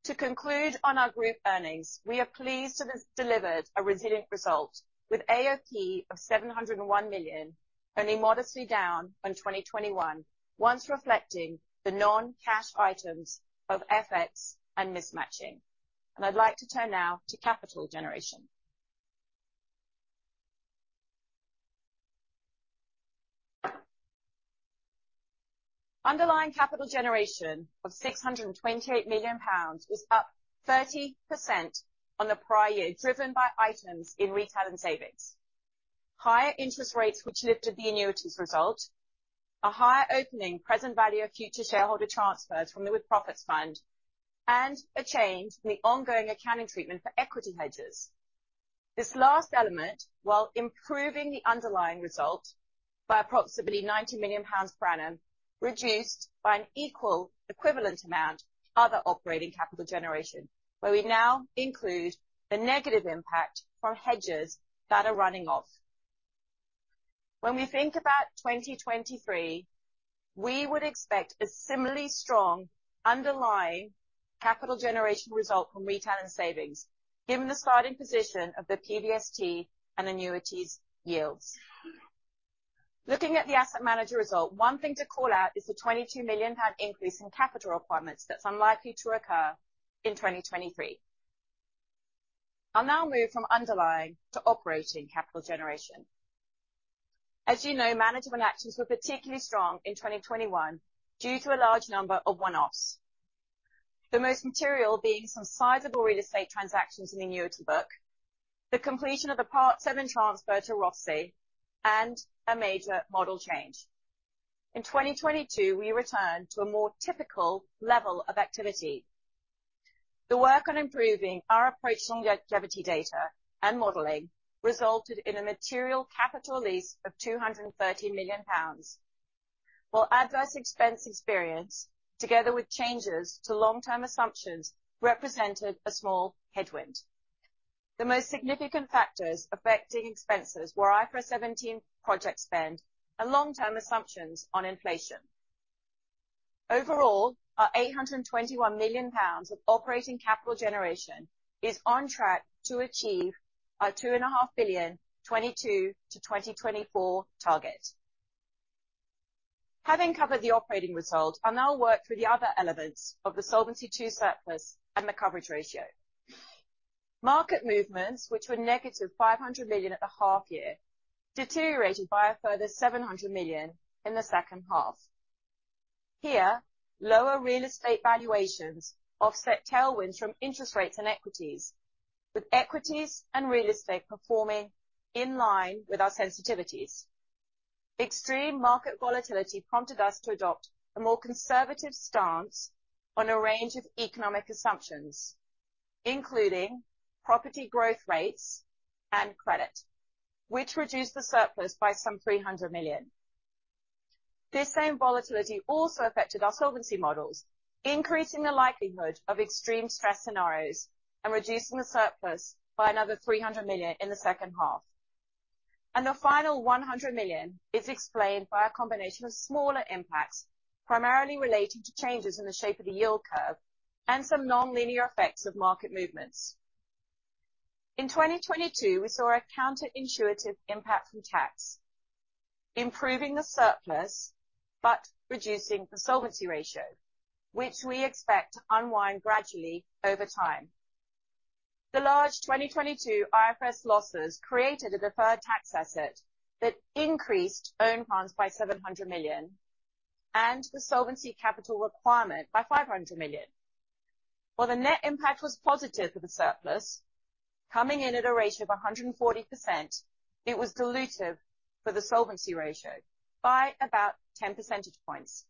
To conclude on our group earnings, we are pleased to have delivered a resilient result with AOP of 701 million, only modestly down on 2021, once reflecting the non-cash items of FX and mismatching. I'd like to turn now to capital generation. Underlying capital generation of 628 million pounds is up 30% on the prior year, driven by items in retail and savings. Higher interest rates which lifted the annuities result, a higher opening present value of future shareholder transfers from the with-profits fund, and a change in the ongoing accounting treatment for equity hedges. This last element, while improving the underlying result by approximately 90 million pounds per annum, reduced by an equal equivalent amount other operating capital generation, where we now include the negative impact from hedges that are running off. When we think about 2023, we would expect a similarly strong underlying capital generation result from retail and savings, given the starting position of the PVST and annuities yields. Looking at the Asset Manager result, one thing to call out is the 22 million pound increase in capital requirements that's unlikely to occur in 2023. I'll now move from underlying to operating capital generation. As you know, management actions were particularly strong in 2021 due to a large number of one-offs. The most material being some sizable real estate transactions in the annuity book, the completion of the Part VII transfer to Rossi, and a major model change. In 2022, we returned to a more typical level of activity. The work on improving our approach to longevity data and modeling resulted in a material capital release of 230 million pounds. While adverse expense experience, together with changes to long-term assumptions, represented a small headwind. The most significant factors affecting expenses were IFRS 17 project spend and long-term assumptions on inflation. Overall, our 821 million pounds of operating capital generation is on track to achieve our two and a half billion 2022 to 2024 target. Having covered the operating result, I'll now work through the other elements of the Solvency II surplus and the coverage ratio. Market movements, which were -500 million at the half year, deteriorated by a further 700 million in the second half. Here, lower real estate valuations offset tailwinds from interest rates and equities, with equities and real estate performing in line with our sensitivities. Extreme market volatility prompted us to adopt a more conservative stance on a range of economic assumptions, including property growth rates and credit, which reduced the surplus by some 300 million. This same volatility also affected our solvency models, increasing the likelihood of extreme stress scenarios and reducing the surplus by another 300 million in the second half. The final 100 million is explained by a combination of smaller impacts, primarily relating to changes in the shape of the yield curve and some nonlinear effects of market movements. In 2022, we saw a counterintuitive impact from tax, improving the surplus but reducing the solvency ratio, which we expect to unwind gradually over time. The large 2022 IFRS losses created a deferred tax asset that increased own funds by 700 million and the solvency capital requirement by 500 million. While the net impact was positive for the surplus, coming in at a ratio of 140%, it was dilutive for the solvency ratio by about 10 percentage points.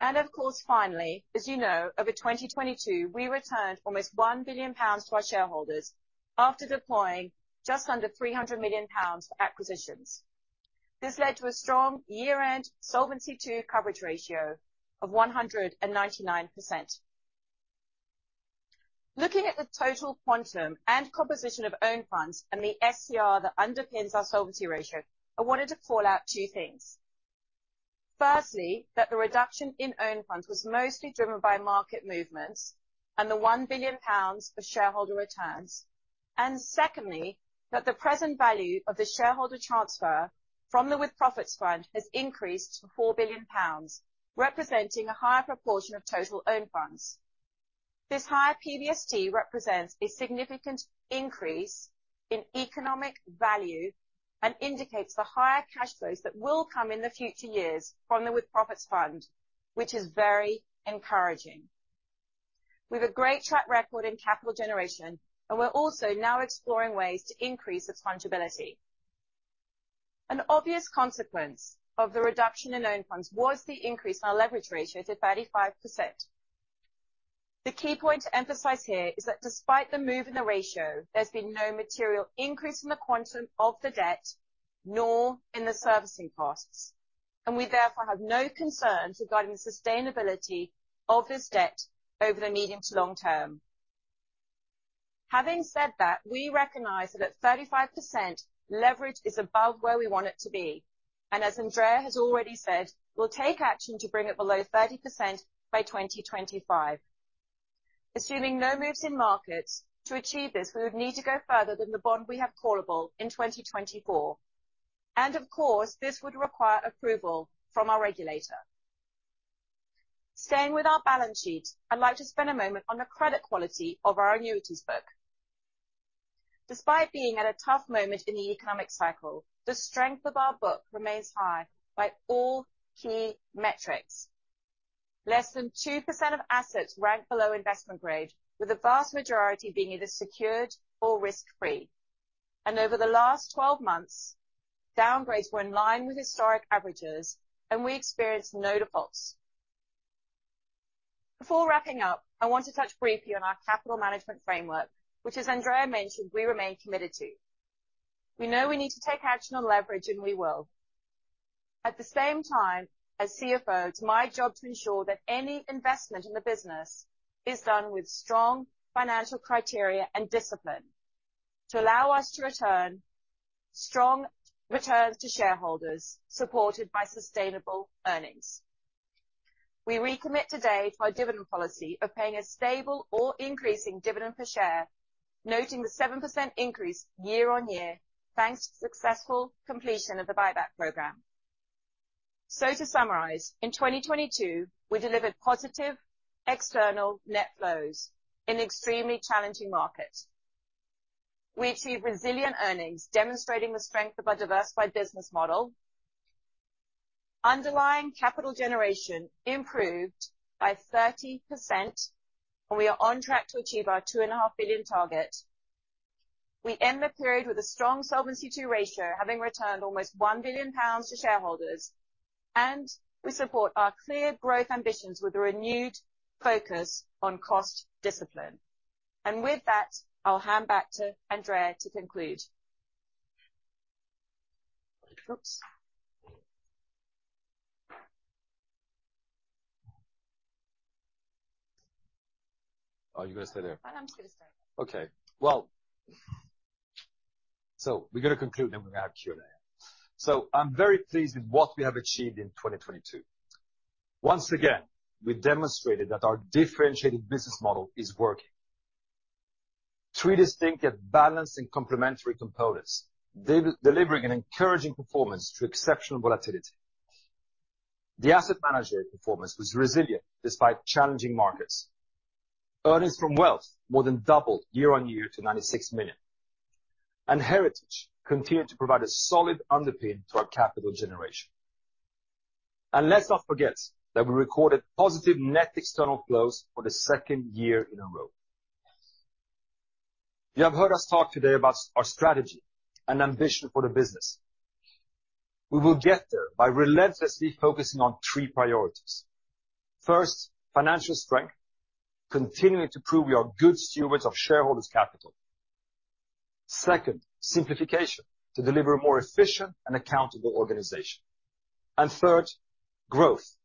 Of course, finally, as you know, over 2022, we returned almost 1 billion pounds to our shareholders after deploying just under 300 million pounds for acquisitions. This led to a strong year-end Solvency II coverage ratio of 199%. Looking at the total quantum and composition of own funds and the SCR that underpins our solvency ratio, I wanted to call out two things. Firstly, that the reduction in own funds was mostly driven by market movements and the 1 billion pounds for shareholder returns. Secondly, that the present value of the shareholder transfer from the with-profits fund has increased to 4 billion pounds, representing a higher proportion of total own funds. This higher PVST represents a significant increase in economic value and indicates the higher cash flows that will come in the future years from the with-profits fund, which is very encouraging. We've a great track record in capital generation, and we're also now exploring ways to increase the fungibility. An obvious consequence of the reduction in own funds was the increase in our leverage ratio to 35%. The key point to emphasize here is that despite the move in the ratio, there's been no material increase in the quantum of the debt nor in the servicing costs. We therefore have no concern regarding the sustainability of this debt over the medium to long term. Having said that, we recognize that at 35%, leverage is above where we want it to be. As Andrea has already said, we'll take action to bring it below 30% by 2025. Assuming no moves in markets, to achieve this, we would need to go further than the bond we have callable in 2024. Of course, this would require approval from our regulator. Staying with our balance sheet, I'd like to spend a moment on the credit quality of our annuities book. Despite being at a tough moment in the economic cycle, the strength of our book remains high by all key metrics. Less than 2% of assets rank below investment grade, with the vast majority being either secured or risk-free. Over the last 12 months, downgrades were in line with historic averages, and we experienced no defaults. Before wrapping up, I want to touch briefly on our capital management framework, which as Andrea mentioned, we remain committed to. We know we need to take action on leverage, and we will. At the same time, as CFO, it's my job to ensure that any investment in the business is done with strong financial criteria and discipline to allow us to return strong returns to shareholders supported by sustainable earnings. We recommit today to our dividend policy of paying a stable or increasing dividend per share, noting the 7% increase year-on-year, thanks to successful completion of the buyback program. To summarize, in 2022, we delivered positive external net flows in extremely challenging markets. We achieved resilient earnings, demonstrating the strength of our diversified business model. Underlying capital generation improved by 30%, and we are on track to achieve our 2.5 billion target. We end the period with a strong Solvency II ratio, having returned almost 1 billion pounds to shareholders, and we support our clear growth ambitions with a renewed focus on cost discipline. With that, I'll hand back to Andrea to conclude. Oops. Are you gonna stay there? I'm just gonna stay. Okay. Well, we're gonna conclude, and we're gonna have Q&A. I'm very pleased with what we have achieved in 2022. Once again, we demonstrated that our differentiating business model is working. Three distinctive, balanced, and complementary components delivering an encouraging performance through exceptional volatility. The Asset Manager performance was resilient despite challenging markets. Earnings from wealth more than doubled year-on-year to 96 million. Heritage continued to provide a solid underpin to our capital generation. Let's not forget that we recorded positive net external flows for the second year in a row. You have heard us talk today about our strategy and ambition for the business. We will get there by relentlessly focusing on three priorities. First, financial strength, continuing to prove we are good stewards of shareholders' capital. Second, simplification to deliver a more efficient and accountable organization. Third, growth.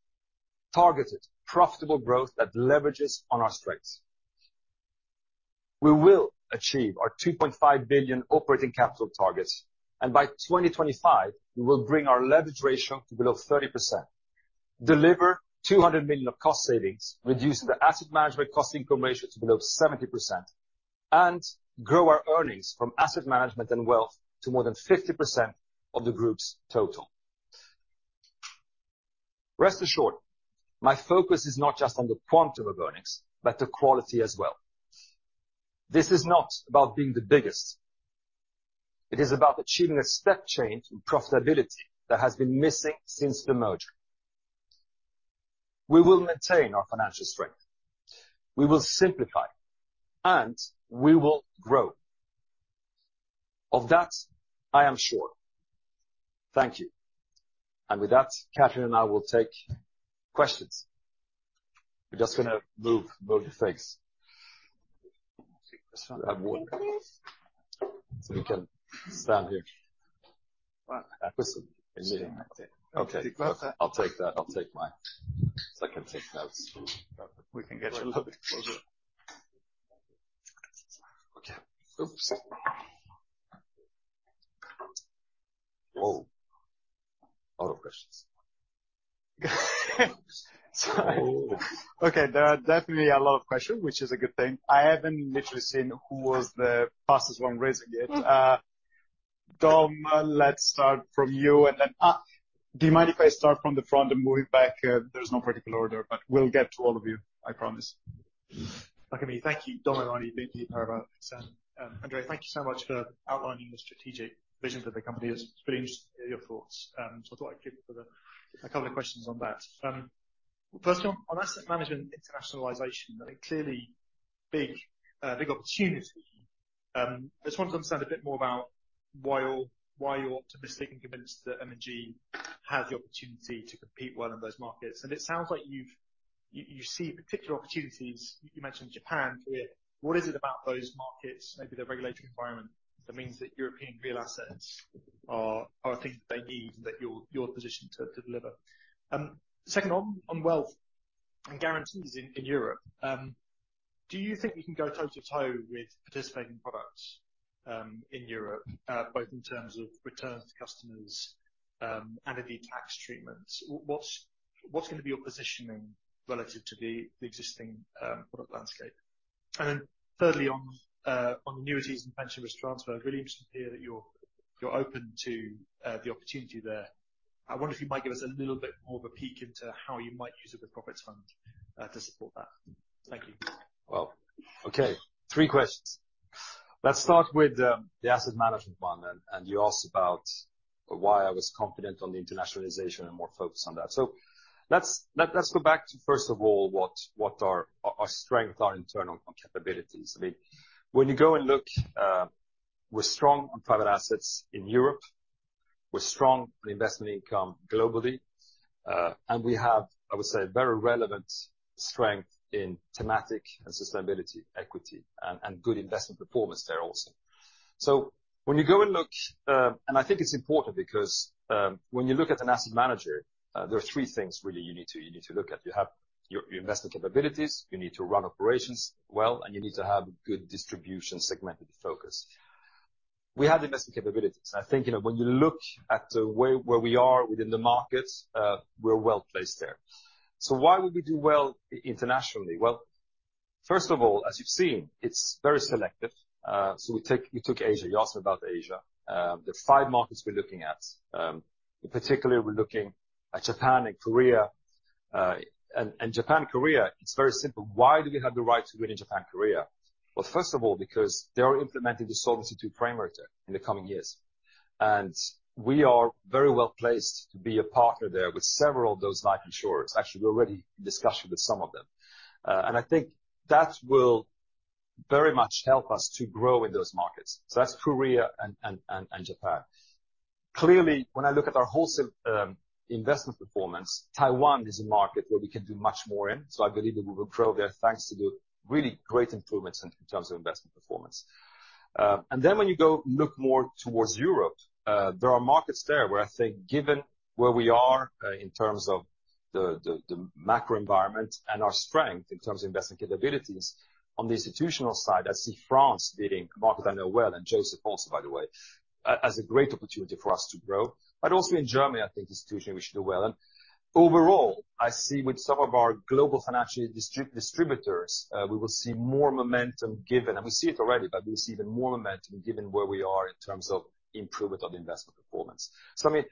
Targeted, profitable growth that leverages on our strengths. We will achieve our 2.5 billion operating capital targets, and by 2025, we will bring our leverage ratio to below 30%, deliver 200 million of cost savings, reduce the asset management cost-to-income ratio to below 70%, and grow our earnings from asset management and wealth to more than 50% of the group's total. Rest assured, my focus is not just on the quantum of earnings, but the quality as well. This is not about being the biggest. It is about achieving a step change in profitability that has been missing since the merger. We will maintain our financial strength, we will simplify, and we will grow. Of that, I am sure. Thank you. With that, Kathryn McLeland and I will take questions. We're just gonna move both your things. Thank you. You can stand here. Right. Opposite me. Okay. I'll take that. I'll take mine, so I can take notes. We can get a little bit closer. Okay. Oops. Whoa! A lot of questions. Sorry. Oh. Okay, there are definitely a lot of questions, which is a good thing. I haven't literally seen who was the fastest one raising it. Dom, let's start from you, and then, do you mind if I start from the front and move it back? There's no particular order, but we'll get to all of you, I promise. Okay, thank you. Dominic O'Mahony. Mm-hmm. BNP Paribas Exane. Andrea, thank you so much for outlining the strategic vision for the company. It's really interesting to hear your thoughts. I thought I'd give a couple of questions on that. First on asset management internationalization, I think clearly big opportunity. I just want to understand a bit more about why you're, why you're optimistic and convinced that M&G has the opportunity to compete well in those markets. It sounds like you've, you see particular opportunities. You mentioned Japan earlier. What is it about those markets, maybe the regulatory environment, that means that European real assets are a thing that they need, that your positioned to deliver? Second on wealth and guarantees in Europe, do you think you can go toe-to-toe with participating products in Europe, both in terms of return to customers and of the tax treatments? What's gonna be your positioning relative to the existing product landscape? Thirdly, on annuities and pension risk transfer, really interested to hear that you're open to the opportunity there. I wonder if you might give us a little bit more of a peek into how you might use the profits fund to support that. Thank you. Well, okay, three questions. Let's start with the asset management one. You asked about why I was confident on the internationalization and more focused on that. Let's go back to, first of all, what are our strength, our internal capabilities. I mean, when you go and look, we're strong on private assets in Europe, we're strong on investment income globally, and we have, I would say, very relevant strength in thematic and sustainability equity and good investment performance there also. When you go and look, and I think it's important because, when you look at an Asset Manager, there are three things really you need to look at. You have your investment capabilities, you need to run operations well, and you need to have good distribution segmented focus. We have investment capabilities. I think, you know, when you look at where we are within the markets, we're well-placed there. Why would we do well internationally? Well, first of all, as you've seen, it's very selective. You took Asia. You asked about Asia. There are five markets we're looking at. In particular, we're looking at Japan and Korea. Japan and Korea, it's very simple. Why do we have the right to win in Japan and Korea? Well, first of all, because they are implementing the Solvency II framework in the coming years. We are very well-placed to be a partner there with several of those life insurers. Actually, we're already in discussion with some of them. I think that will very much help us to grow in those markets. That's Korea and Japan. Clearly, when I look at our wholesale investment performance, Taiwan is a market where we can do much more in. I believe that we will grow there, thanks to the really great improvements in terms of investment performance. When you go look more towards Europe, there are markets there where I think given where we are in terms of the macro environment and our strength in terms of investment capabilities on the institutional side, I see France being a market I know well, and Joseph also by the way, as a great opportunity for us to grow. Also in Germany, I think institutionally we should do well. Overall, I see with some of our global financial distributors, we will see more momentum given. We see it already, but we'll see even more momentum given where we are in terms of improvement on investment performance. I mean,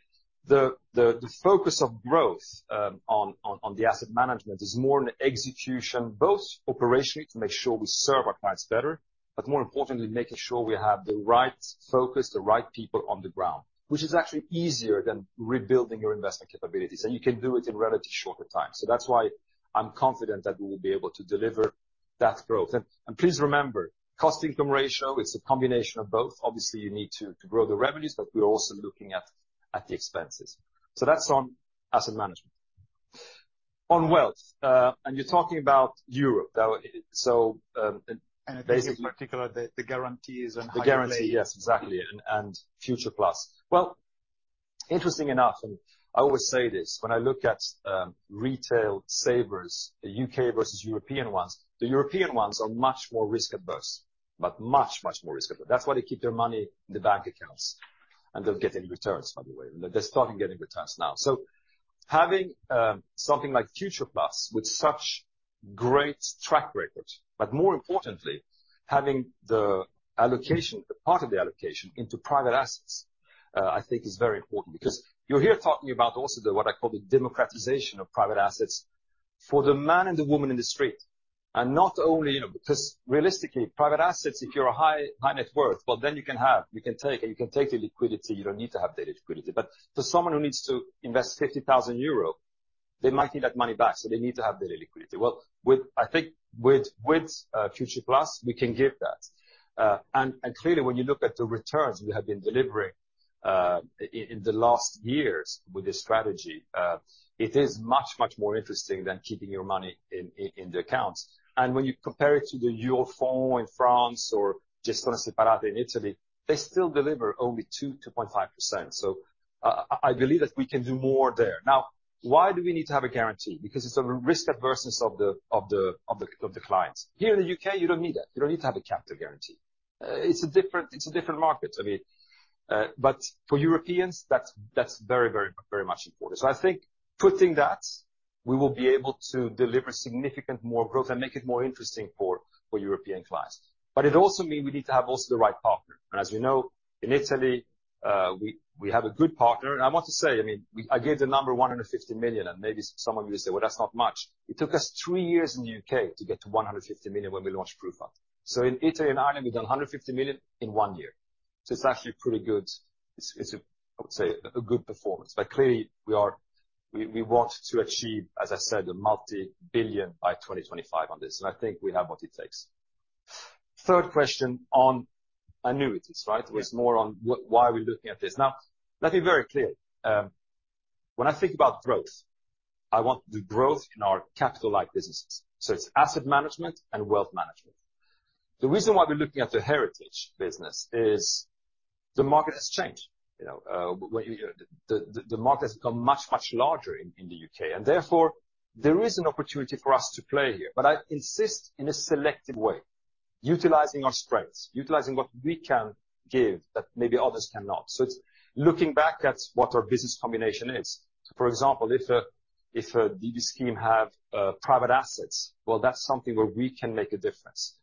the focus of growth on the asset management is more on execution, both operationally to make sure we serve our clients better, but more importantly, making sure we have the right focus, the right people on the ground. Which is actually easier than rebuilding your investment capabilities. You can do it in relatively shorter time. That's why I'm confident that we will be able to deliver that growth. Please remember, cost-to-income ratio is a combination of both. Obviously, you need to grow the revenues, but we're also looking at the expenses. That's on asset management. On wealth, you're talking about Europe. In particular, the guarantees and high yield. The guarantee, yes, exactly. Future+. Well, interesting enough, I always say this, when I look at retail savers, the U.K. versus European ones, the European ones are much more risk-averse, but much, much more risk-averse. That's why they keep their money in the bank accounts. Don't get any returns, by the way. They're starting getting returns now. Having something like Future+ with such great track record, but more importantly, having the allocation, part of the allocation into private assets, I think is very important. You're here talking about also the what I call the democratization of private assets for the man and the woman in the street, and not only, you know, 'cause realistically, private assets, if you're a high, high net worth, well, then you can have, you can take, and you can take the liquidity. You don't need to have daily liquidity. For someone who needs to invest 50,000 euros, they might need that money back, so they need to have daily liquidity. Well, with, I think with Future+, we can give that. And clearly, when you look at the returns we have been delivering in the last years with this strategy, it is much, much more interesting than keeping your money in the accounts. When you compare it to the in France or in Italy, they still deliver only 2%-2.5%. I believe that we can do more there. Now, why do we need to have a guarantee? Because it's a risk averseness of the clients. Here in the U.K., you don't need that. You don't need to have a capital guarantee. It's a different, it's a different market. I mean, for Europeans, that's very, very, very much important. I think putting that, we will be able to deliver significant more growth and make it more interesting for European clients. It also mean we need to have also the right partner. As we know, in Italy, we have a good partner. I want to say, I mean, I gave the number 150 million, and maybe some of you say, "Well, that's not much." It took us three years in the U.K. to get to 150 million when we launched PruFund. In Italy and Ireland, we've done 150 million in one year. It's actually pretty good. It's a, I would say, a good performance. Clearly, we want to achieve, as I said, a multi-billion by 2025 on this. I think we have what it takes. Third question on annuities, right? Yeah. It's more on why are we looking at this. Now, let me be very clear. When I think about growth, I want the growth in our capital-light businesses. It's asset management and wealth management. The reason why we're looking at the Heritage business is the market has changed. You know, the market has become much, much larger in the U.K. Therefore, there is an opportunity for us to play here. I insist in a selective way, utilizing our strengths, utilizing what we can give that maybe others cannot. It's looking back at what our business combination is. For example, if a DB scheme have private assets, well, that's something where we can make a difference.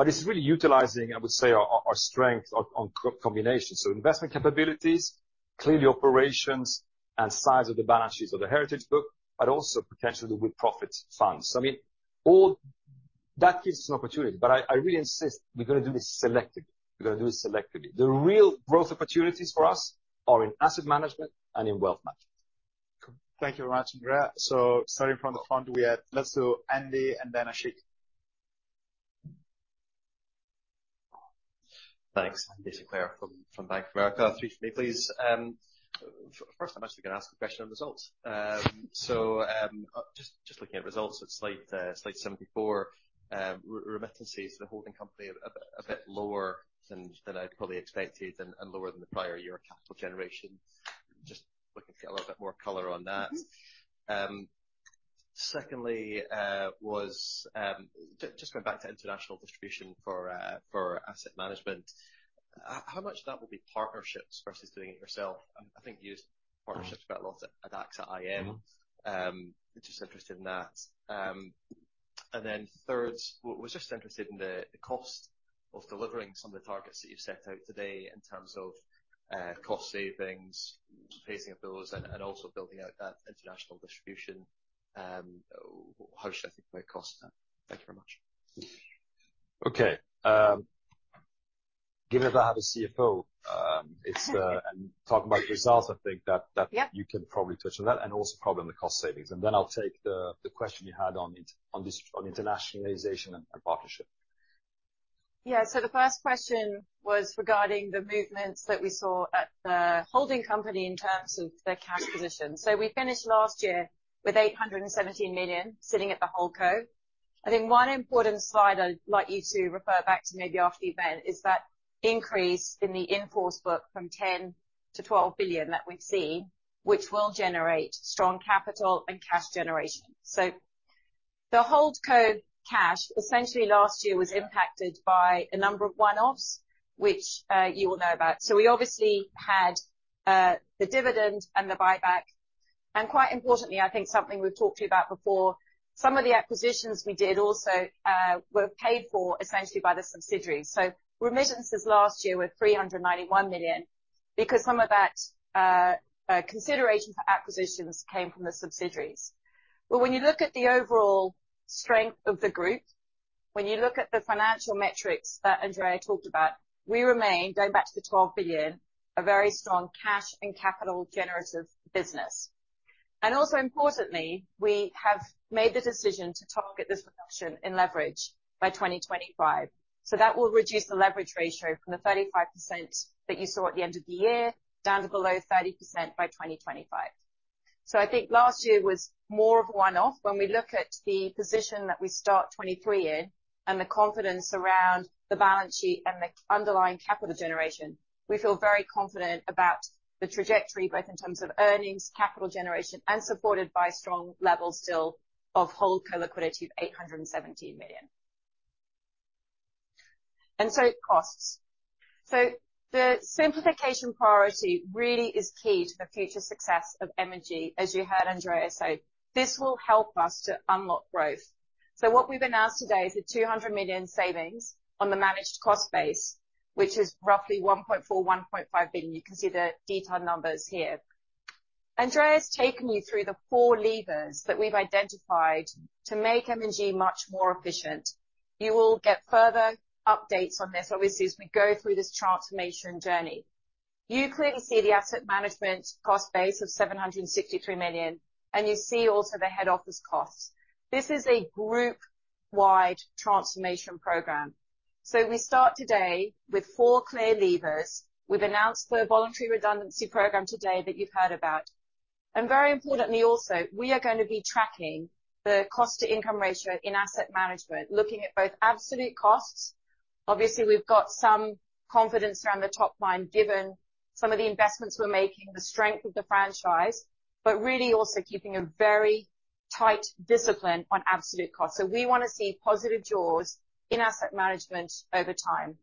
It's really utilizing, I would say, our strength on co-combination. Investment capabilities, clearly operations and size of the balance sheets of the heritage book, but also potentially with-profits funds. I mean, That is an opportunity. I really insist we're gonna do this selectively. We're gonna do it selectively. The real growth opportunities for us are in asset management and in wealth management. Thank you very much, Andrea. Starting from the front, let's do Andy and then Ashik. Thanks. Andrew Sinclair from Bank of America. Three for me, please. First time actually gonna ask a question on results. Just looking at results at slide 74, remittances to the holding company are a bit lower than I'd probably expected and lower than the prior year capital generation. Just looking for a little bit more color on that. Mm-hmm. Secondly, was just going back to international distribution for asset management. How much of that will be partnerships versus doing it yourself? I think you used partnerships quite a lot at AXA IM. Mm-hmm. Just interested in that. Then third, was just interested in the cost of delivering some of the targets that you've set out today in terms of, cost savings, pacing of those, and also building out that international distribution. How should I think about cost of that? Thank you very much. Okay. Given that I have a CFO, talking about results, I think that. Yeah.... you can probably touch on that and also probably the cost savings. Then I'll take the question you had on it, on internationalization and partnership. The first question was regarding the movements that we saw at the holding company in terms of their cash position. We finished last year with 817 million sitting at the HoldCo. I think one important slide I'd like you to refer back to maybe after the event is that increase in the in-force book from 10 billion-12 billion that we've seen, which will generate strong capital and cash generation. The HoldCo cash essentially last year was impacted by a number of one-offs, which you will know about. We obviously had the dividend and the buyback, and quite importantly, I think something we've talked to you about before, some of the acquisitions we did also were paid for essentially by the subsidiaries. Remittances last year were 391 million because some of that consideration for acquisitions came from the subsidiaries. When you look at the overall strength of the group, when you look at the financial metrics that Andrea talked about, we remain, going back to the 12 billion, a very strong cash and capital generative business. Importantly, we have made the decision to target this reduction in leverage by 2025. That will reduce the leverage ratio from the 35% that you saw at the end of the year down to below 30% by 2025. I think last year was more of a one-off. When we look at the position that we start 2023 in and the confidence around the balance sheet and the underlying capital generation, we feel very confident about the trajectory, both in terms of earnings, capital generation, and supported by strong levels still of HoldCo liquidity of GBP 817 million. Costs. The simplification priority really is key to the future success of M&G, as you heard Andrea say. This will help us to unlock growth. What we've announced today is a 200 million savings on the managed cost base, which is roughly 1.4 billion-1.5 billion. You can see the detailed numbers here. Andrea has taken you through the four levers that we've identified to make M&G much more efficient. You will get further updates on this, obviously, as we go through this transformation journey. You clearly see the asset management cost base of 763 million, and you see also the head office costs. This is a group-wide transformation program. We start today with four clear levers. We've announced the voluntary redundancy program today that you've heard about. Very importantly also, we are going to be tracking the cost-to-income ratio in asset management, looking at both absolute costs. Obviously, we've got some confidence around the top line, given some of the investments we're making, the strength of the franchise, but really also keeping a very tight discipline on absolute cost. We want to see positive jaws in asset management over time.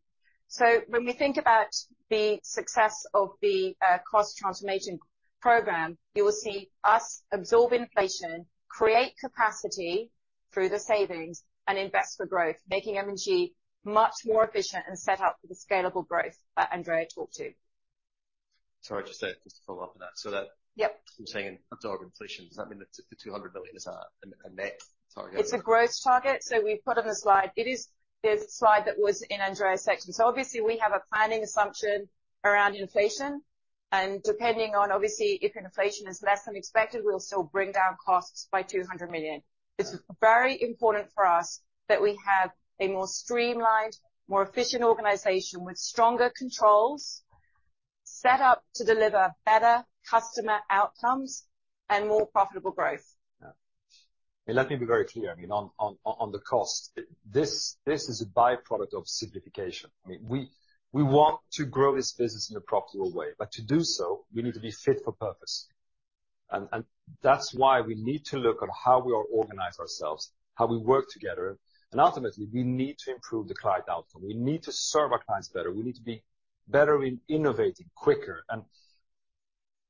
When we think about the success of the cost transformation program, you will see us absorb inflation, create capacity through the savings, and invest for growth, making M&G much more efficient and set up for the scalable growth that Andrea talked to. Sorry, just to, just to follow up on that. Yep. I'm saying absorb inflation, does that mean that the 200 million is a net target? It's a growth target, so we put on the slide. There's a slide that was in Andrea's section. Obviously we have a planning assumption around inflation, and depending on obviously if inflation is less than expected, we'll still bring down costs by 200 million. Right. It's very important for us that we have a more streamlined, more efficient organization with stronger controls set up to deliver better customer outcomes and more profitable growth. Yeah. Let me be very clear, I mean, on the cost, this is a byproduct of simplification. I mean, we want to grow this business in a profitable way, to do so, we need to be fit for purpose. That's why we need to look at how we are organized ourselves, how we work together, and ultimately, we need to improve the client outcome. We need to serve our clients better. We need to be better in innovating quicker.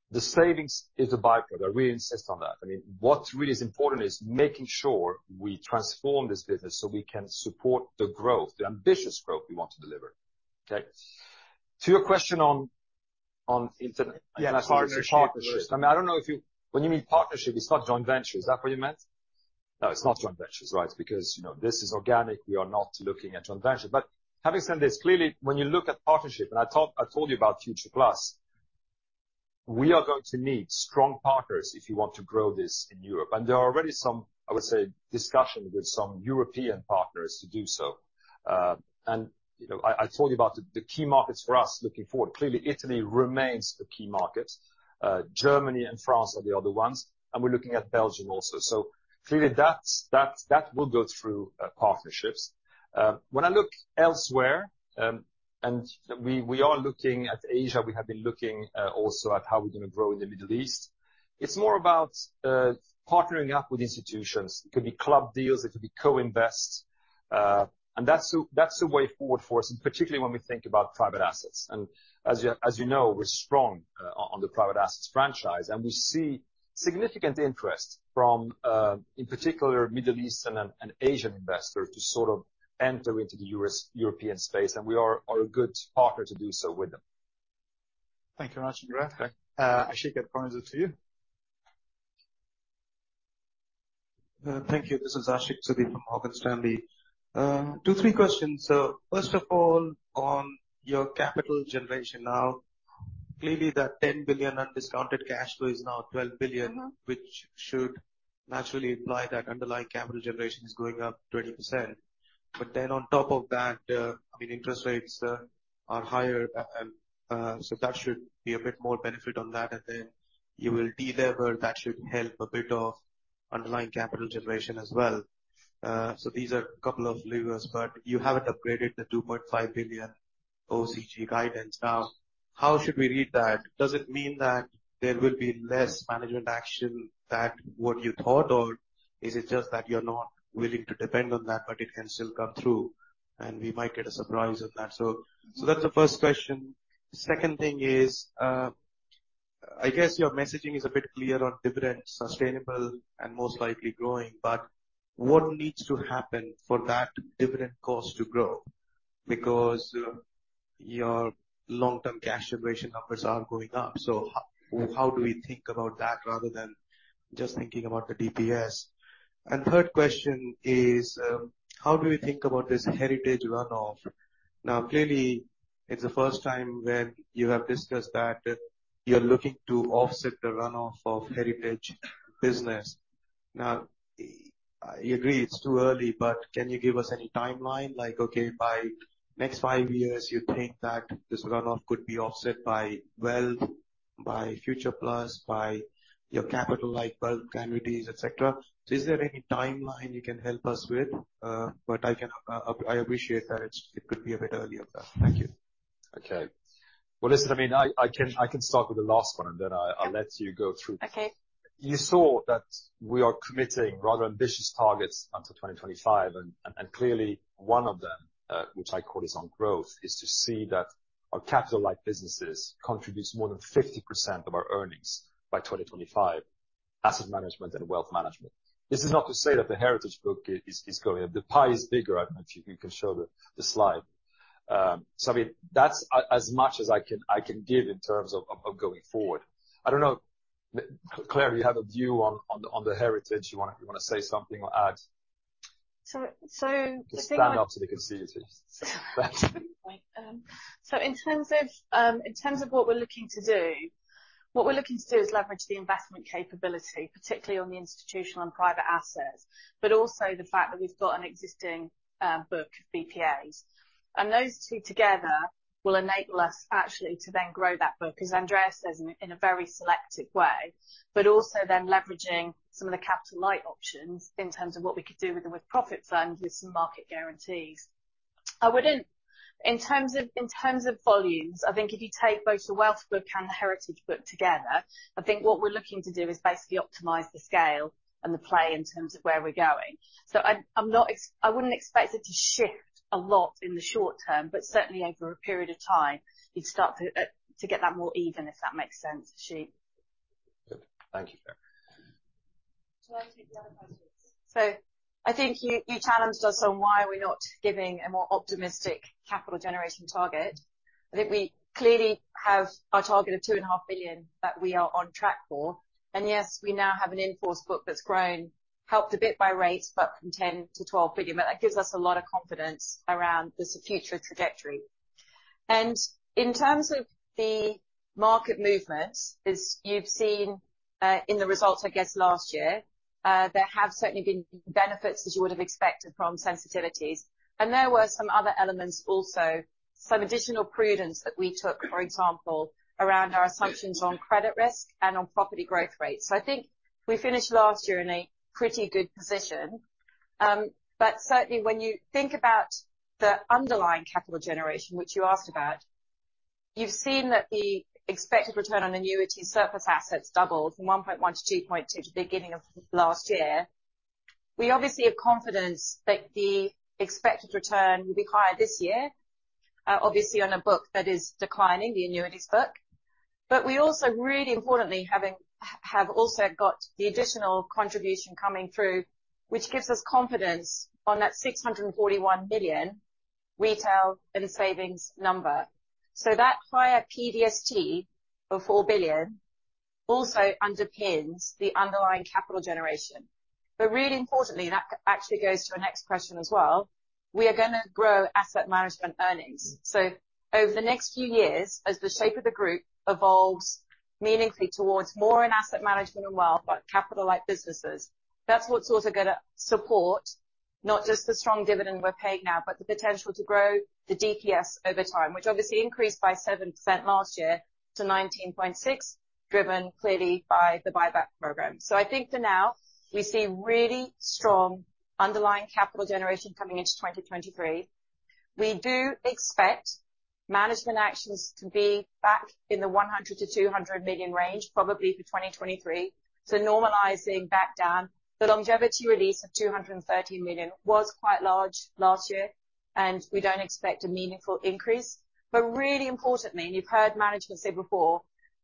The savings is a by-product. We insist on that. I mean, what really is important is making sure we transform this business so we can support the growth, the ambitious growth we want to deliver. Okay? To your question on inter- Yeah, partnership. Partnership. When you mean partnership, it's not joint venture. Is that what you meant? No, it's not joint ventures, right? Because, you know, this is organic. We are not looking at joint venture. Having said this, clearly, when you look at partnership, and I told you about Future+, we are going to need strong partners if you want to grow this in Europe. There are already some, I would say, discussions with some European partners to do so. You know, I told you about the key markets for us looking forward. Clearly, Italy remains a key market. Germany and France are the other ones, and we're looking at Belgium also. Clearly, that will go through partnerships. When I look elsewhere, we are looking at Asia, we have been looking also at how we're gonna grow in the Middle East. It's more about partnering up with institutions. It could be club deals, it could be co-invest, and that's the way forward for us, and particularly when we think about private assets. As you know, we're strong on the private assets franchise, and we see significant interest from, in particular, Middle Eastern and Asian investors to sort of enter into the US, European space, and we are a good partner to do so with them. Thank you, Andrea. Okay. Ashik, point them to you. Thank you. This is Ashik Musaddi from Morgan Stanley. Two, three questions. First of all, on your capital generation now, clearly the 10 billion undiscounted cash flow is now 12 billion. Mm-hmm. Which should naturally imply that underlying capital generation is going up 20%. On top of that, I mean, interest rates are higher, so that should be a bit more benefit on that, and then you will de-lever. That should help a bit of underlying capital generation as well. These are couple of levers, you haven't upgraded the 2.5 billion OCG guidance. How should we read that? Does it mean that there will be less management action that what you thought, or is it just that you're not willing to depend on that, but it can still come through and we might get a surprise on that? That's the first question. Second thing is, I guess your messaging is a bit clear on different, sustainable, and most likely growing, but what needs to happen for that different cost to grow? Because your long-term cash generation numbers are going up, so how do we think about that rather than just thinking about the DPS? Third question is, how do you think about this Heritage runoff? Clearly, it's the first time when you have discussed that you're looking to offset the runoff of Heritage business. I agree it's too early, but can you give us any timeline? Like, okay, by next five years, you think that this runoff could be offset by Wealth, by Future+, by your capital like Wealth, Annuities, et cetera. Is there any timeline you can help us with? I can appreciate that it could be a bit early on. Thank you. Okay. Well, listen, I mean, I can start with the last one, and then... Yeah. I'll let you go through. Okay. You saw that we are committing rather ambitious targets until 2025 and clearly one of them, which I call is on growth, is to see that our capital like businesses contributes more than 50% of our earnings by 2025. Asset management and wealth management. This is not to say that the Heritage book is going... The pie is bigger. I'm not sure you can show the slide. So I mean, that's as much as I can, I can give in terms of, of going forward. I don't know. Claire, you have a view on the, on the Heritage. You wanna say something or add? The thing... Just stand up so they can see you. Good point. In terms of, in terms of what we're looking to do, what we're looking to do is leverage the investment capability, particularly on the institutional and private assets, but also the fact that we've got an existing book of BPAs. Those two together will enable us actually to then grow that book, as Andrea says, in a very selective way, but also then leveraging some of the capital light options in terms of what we could do with the profit funds with some market guarantees. In terms of, in terms of volumes, I think if you take both the Wealth book and the Heritage book together, I think what we're looking to do is basically optimize the scale and the play in terms of where we're going. I'm not. I wouldn't expect it to shift a lot in the short term, but certainly over a period of time, you'd start to to get that more even, if that makes sense, Ashik. Good. Thank you, Claire. I think you challenged us on why are we not giving a more optimistic capital generation target. I think we clearly have our target of 2.5 billion that we are on track for. Yes, we now have an in-force book that's grown, helped a bit by rates, but from 10 billion-12 billion, but that gives us a lot of confidence around the future trajectory. In terms of the market movement, as you've seen in the results, I guess, last year, there have certainly been benefits as you would have expected from sensitivities. There were some other elements also, some additional prudence that we took, for example, around our assumptions on credit risk and on property growth rates. I think we finished last year in a pretty good position. Certainly when you think about the underlying capital generation, which you asked about, you've seen that the expected return on annuity surplus assets doubled from 1.1 to 2.2 at the beginning of last year. We obviously have confidence that the expected return will be higher this year, obviously on a book that is declining, the annuities book. We also really importantly, have also got the additional contribution coming through, which gives us confidence on that 641 million retail and savings number. That higher PVST of 4 billion also underpins the underlying capital generation. Really importantly, and that actually goes to the next question as well, we are gonna grow asset management earnings. Over the next few years, as the shape of the group evolves meaningfully towards more in asset management and wealth, but capital like businesses, that's what's also gonna support not just the strong dividend we're paying now, but the potential to grow the DPS over time, which obviously increased by 7% last year to 19.6, driven clearly by the buyback program. I think for now, we see really strong underlying capital generation coming into 2023. We do expect management actions to be back in the 100 million-200 million range, probably for 2023. Normalizing back down. The longevity release of 230 million was quite large last year, and we don't expect a meaningful increase. Really importantly, and you've heard management say before,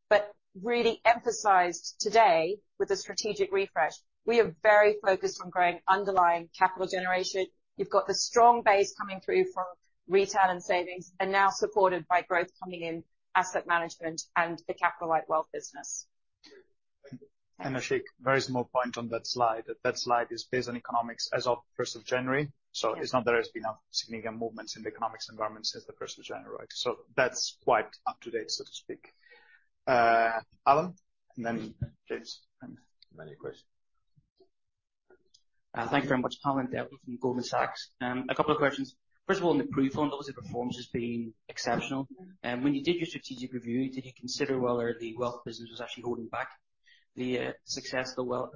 but really emphasized today with the strategic refresh, we are very focused on growing underlying capital generation. You've got the strong base coming through from retail and savings, and now supported by growth coming in asset management and the capital light wealth business. Thank you. Ashik, very small point on that slide. That slide is based on economics as of first of January. Yeah. It's not there has been a significant movement in the economics environment since the first of January. That's quite up-to-date, so to speak. Alan, and then James. Many questions. Thank you very much. Alan Devlin from Goldman Sachs. A couple of questions. First of all, on the PruFund, obviously performance has been exceptional. When you did your strategic review, did you consider whether the wealth business was actually holding back the success of the wealth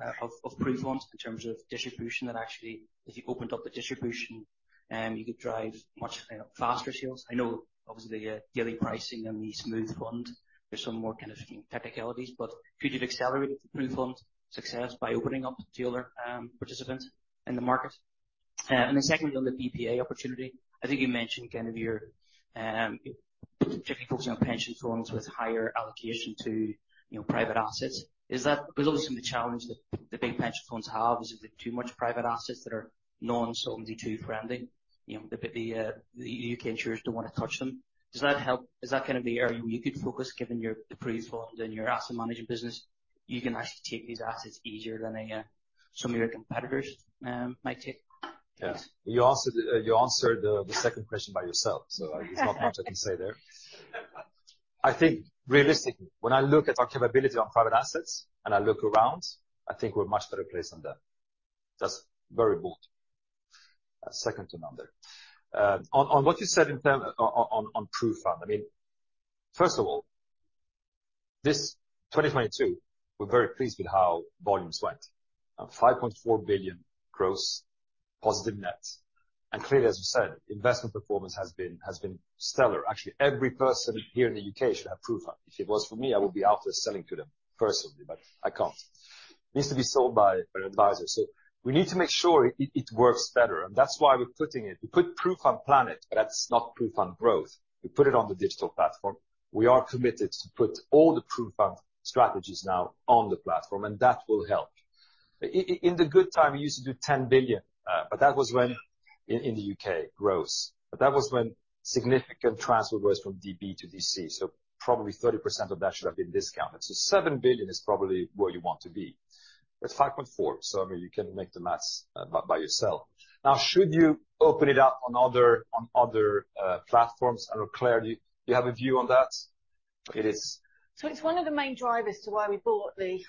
of PruFund in terms of distribution? That actually, if you opened up the distribution, you could drive much faster sales. I know obviously, yielding pricing and the smooth fund, there's some more kind of technicalities, but could you have accelerated the PruFund success by opening up to other participants in the market? Secondly, on the BPA opportunity, I think you mentioned kind of your particularly focusing on pension funds with higher allocation to private assets. Is that because obviously the challenge that the big pension funds have is with too much private assets that are non-Solvency II friendly. You know, the U.K. Insurers don't wanna touch them. Does that help? Is that gonna be an area where you could focus given your the PruFund and your asset management business, you can actually take these assets easier than a some of your competitors might take? Yes. You answered the second question by yourself. There's not much I can say there.I think realistically, when I look at our capability on private assets and I look around, I think we're much better placed on that. That's very bold. Second to none there. On what you said in term on PruFund, I mean, first of all, this 2022, we're very pleased with how volumes went. 5.4 billion gross, positive net. Clearly, as you said, investment performance has been stellar. Actually, every person here in the U.K. should have PruFund. If it was for me, I would be out there selling to them personally, but I can't. It needs to be sold by an advisor. We need to make sure it works better, and that's why we're putting it... We put PruFund Planet, but that's not PruFund Growth. We put it on the digital platform. We are committed to put all the PruFund strategies now on the platform, that will help. In the good time, we used to do 10 billion, that was when in the U.K., gross. That was when significant transfer was from DB to DC, so probably 30% of that should have been discounted. 7 billion is probably where you want to be. It's 5.4, I mean, you can make the maths by yourself. Should you open it up on other platforms? I don't know, Claire, do you have a view on that? It is. It's one of the main drivers to why we bought the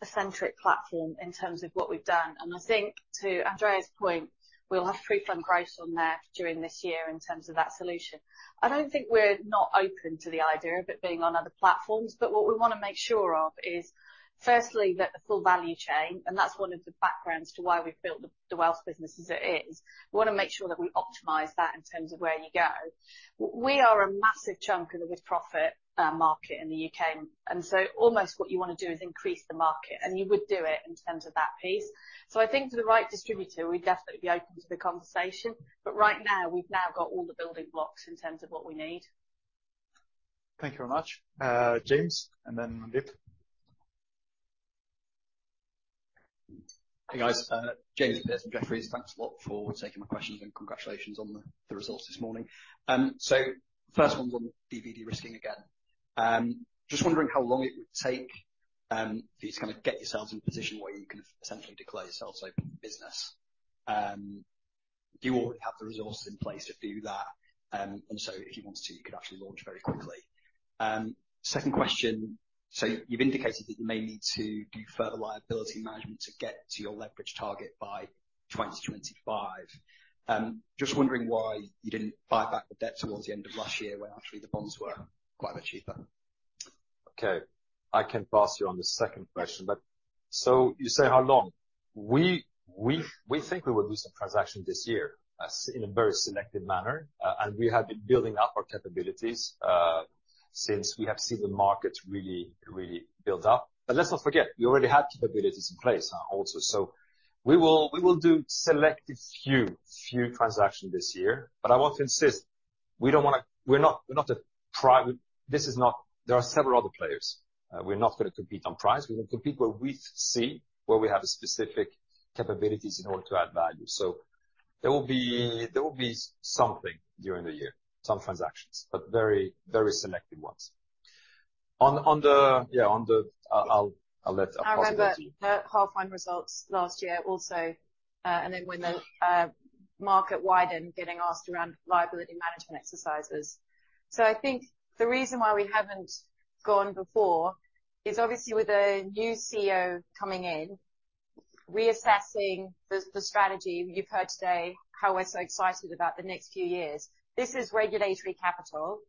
Ascentric platform in terms of what we've done. I think, to Andrea's point, we'll have PruFund Growth on there during this year in terms of that solution. I don't think we're not open to the idea of it being on other platforms, but what we wanna make sure of is firstly that the full value chain, and that's one of the backgrounds to why we've built the wealth business as it is, we wanna make sure that we optimize that in terms of where you go. We are a massive chunk of the with-profits market in the U.K., and so almost what you wanna do is increase the market, and you would do it in terms of that piece. I think for the right distributor, we'd definitely be open to the conversation. Right now, we've now got all the building blocks in terms of what we need. Thank you very much. James, and then Mandeep. Hey, guys. James Pearse, Jefferies. Thanks a lot for taking my questions, congratulations on the results this morning. First one's on DB de-risking again. Just wondering how long it would take for you to kind of get yourselves in a position where you can essentially declare yourselves open for business. Do you already have the resources in place to do that? If you wanted to, you could actually launch very quickly. Second question. You've indicated that you may need to do further liability management to get to your leverage target by 2025. Just wondering why you didn't buy back the debt towards the end of last year when actually the bonds were quite a bit cheaper. Okay. I can pass you on the second question. You say how long. We think we will do some transaction this year in a very selective manner. We have been building up our capabilities since we have seen the market really build up. Let's not forget, we already had capabilities in place also. We will do selective few transactions this year. I want to insist, we don't wanna. We're not a private. There are several other players. We're not gonna compete on price. We will compete where we see where we have specific capabilities in order to add value. There will be something during the year, some transactions, but very, very selective ones. On the, yeah, on the, I'll let- I remember the half-time results last year also, when the market widened, getting asked around liability management exercises. I think the reason why we haven't gone before is obviously with a new CEO coming in, reassessing the strategy. You've heard today how we're so excited about the next few years. This is regulatory capital.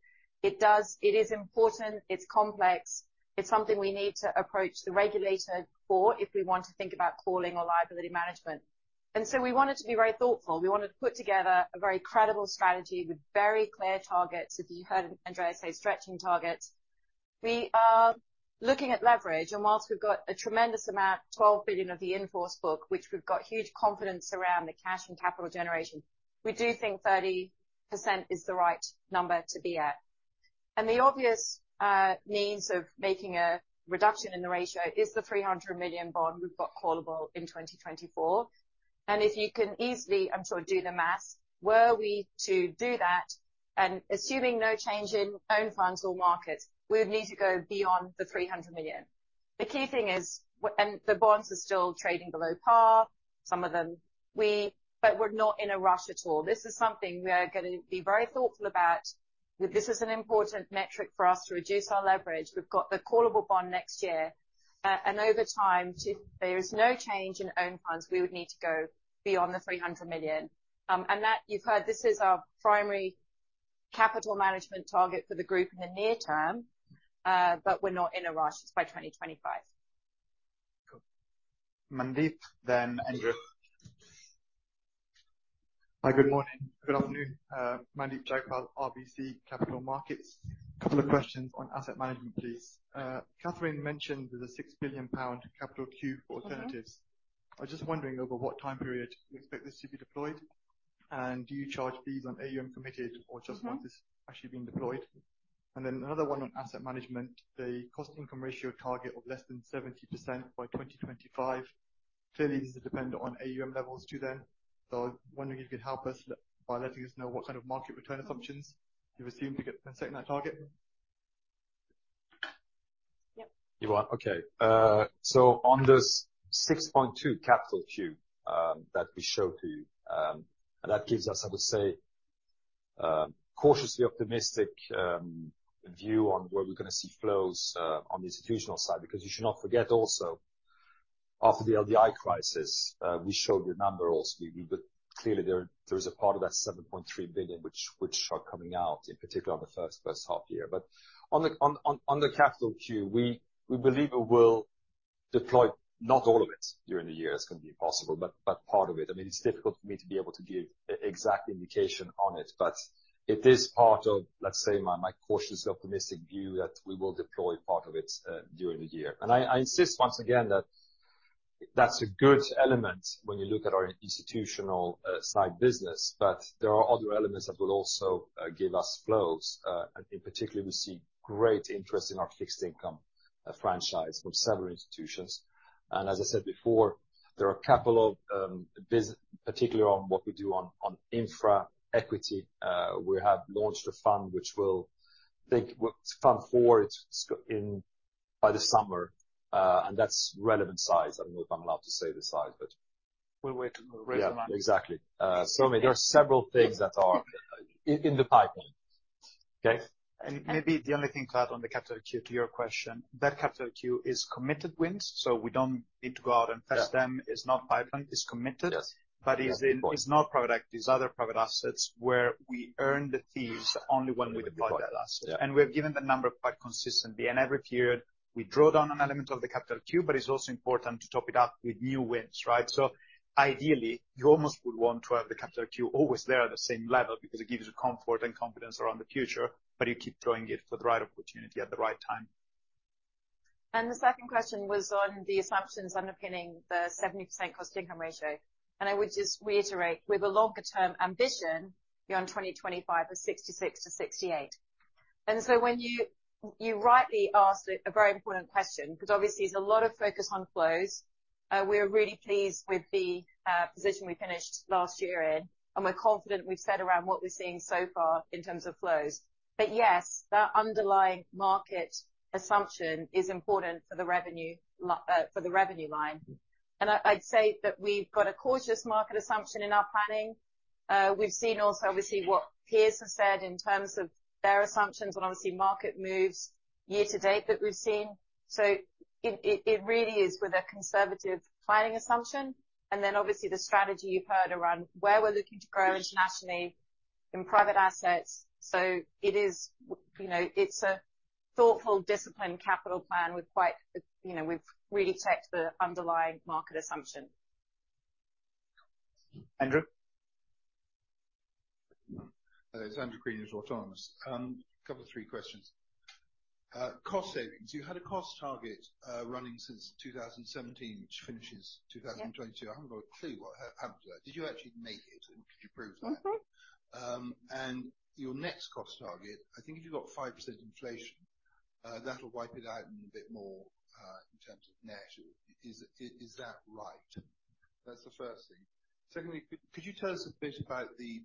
It is important, it's complex, it's something we need to approach the regulator for if we want to think about calling or liability management. We wanted to be very thoughtful. We wanted to put together a very credible strategy with very clear targets. If you heard Andrea say, stretching targets. We are looking at leverage, whilst we've got a tremendous amount, 12 billion of the in-force book, which we've got huge confidence around the cash and capital generation, we do think 30% is the right number to be at. The obvious means of making a reduction in the ratio is the 300 million bond we've got callable in 2024. If you can easily, I'm sure, do the math, were we to do that and assuming no change in own funds or markets, we would need to go beyond the 300 million. The key thing is, and the bonds are still trading below par, some of them. We're not in a rush at all. This is something we are gonna be very thoughtful about. This is an important metric for us to reduce our leverage. We've got the callable bond next year. Over time, if there is no change in own funds, we would need to go beyond the 300 million. That you've heard this is our primary capital management target for the group in the near term, but we're not in a rush. It's by 2025. Cool. Mandeep, then Andrew. Hi, good morning. Good afternoon. Mandeep Jagpal, RBC Capital Markets. Two questions on asset management, please. Kathryn McLeland mentioned there's a GBP 6 billion capital queue for alternatives. Mm-hmm. I was just wondering over what time period you expect this to be deployed, and do you charge fees on AUM committed or just? Mm-hmm. -once it's actually being deployed? Then another one on asset management, the cost-to-income ratio target of less than 70% by 2025. Clearly, these are dependent on AUM levels too, then. I'm wondering if you could help us by letting us know what kind of market return assumptions you assume setting that target. Yep. Ivan? Okay. On this 6.2 capital queue that we show to you, and that gives us, I would say, cautiously optimistic, view on where we're gonna see flows on the institutional side, because you should not forget also, after the LDI crisis, we showed you a number also. Clearly, there is a part of that 7.3 billion which are coming out, in particular in the 1st half year. On the capital queue, we believe it will deploy, not all of it during the year, it's gonna be impossible, but part of it. I mean, it's difficult for me to be able to give exact indication on it, but it is part of, let's say, my cautiously optimistic view that we will deploy part of it during the year. I insist once again that that's a good element when you look at our institutional side business. There are other elements that will also give us flows. In particular, we see great interest in our fixed income franchise from several institutions. As I said before, there are a couple of particularly on what we do on infra equity, we have launched a fund which will take fund forward by the summer. That's relevant size. I don't know if I'm allowed to say the size, but... We'll wait. We'll raise the money. Yeah. Exactly. So there are several things that are in the pipeline. Okay. Maybe the only thing to add on the capital queue to your question, that capital queue is committed wins, so we don't need to go out and fetch them. Yeah. It's not pipeline, it's committed. Yes. It's in, it's not product, it's other private assets where we earn the fees only when we deploy that asset. Yeah. We have given the number quite consistently. Every period, we draw down an element of the capital queue, but it's also important to top it up with new wins, right? Ideally, you almost would want to have the capital queue always there at the same level because it gives you comfort and confidence around the future, but you keep drawing it for the right opportunity at the right time. The second question was on the assumptions underpinning the 70% cost-to-income ratio. I would just reiterate, with a longer-term ambition beyond 2025 for 66%-68%. When you rightly asked a very important question, 'cause obviously there's a lot of focus on flows. We're really pleased with the position we finished last year in, and we're confident we've said around what we're seeing so far in terms of flows. Yes, that underlying market assumption is important for the revenue line. I'd say that we've got a cautious market assumption in our planning. We've seen also, obviously, what peers have said in terms of their assumptions and obviously market moves year to date that we've seen. It really is with a conservative planning assumption, and then obviously the strategy you've heard around where we're looking to grow internationally in private assets. It is, you know, it's a thoughtful, disciplined capital plan. We've quite, you know, we've really checked the underlying market assumption. Andrew? It's Andrew Crean with Autonomous Research. A couple of three questions. Cost savings. You had a cost target, running since 2017, which finishes 2022. Yeah. I haven't got a clue what happened to that. Did you actually make it, and could you prove that? Mm-hmm. Your next cost target, I think if you've got 5% inflation, that'll wipe it out and a bit more, in terms of net. Is that right? That's the first thing. Secondly, could you tell us a bit about the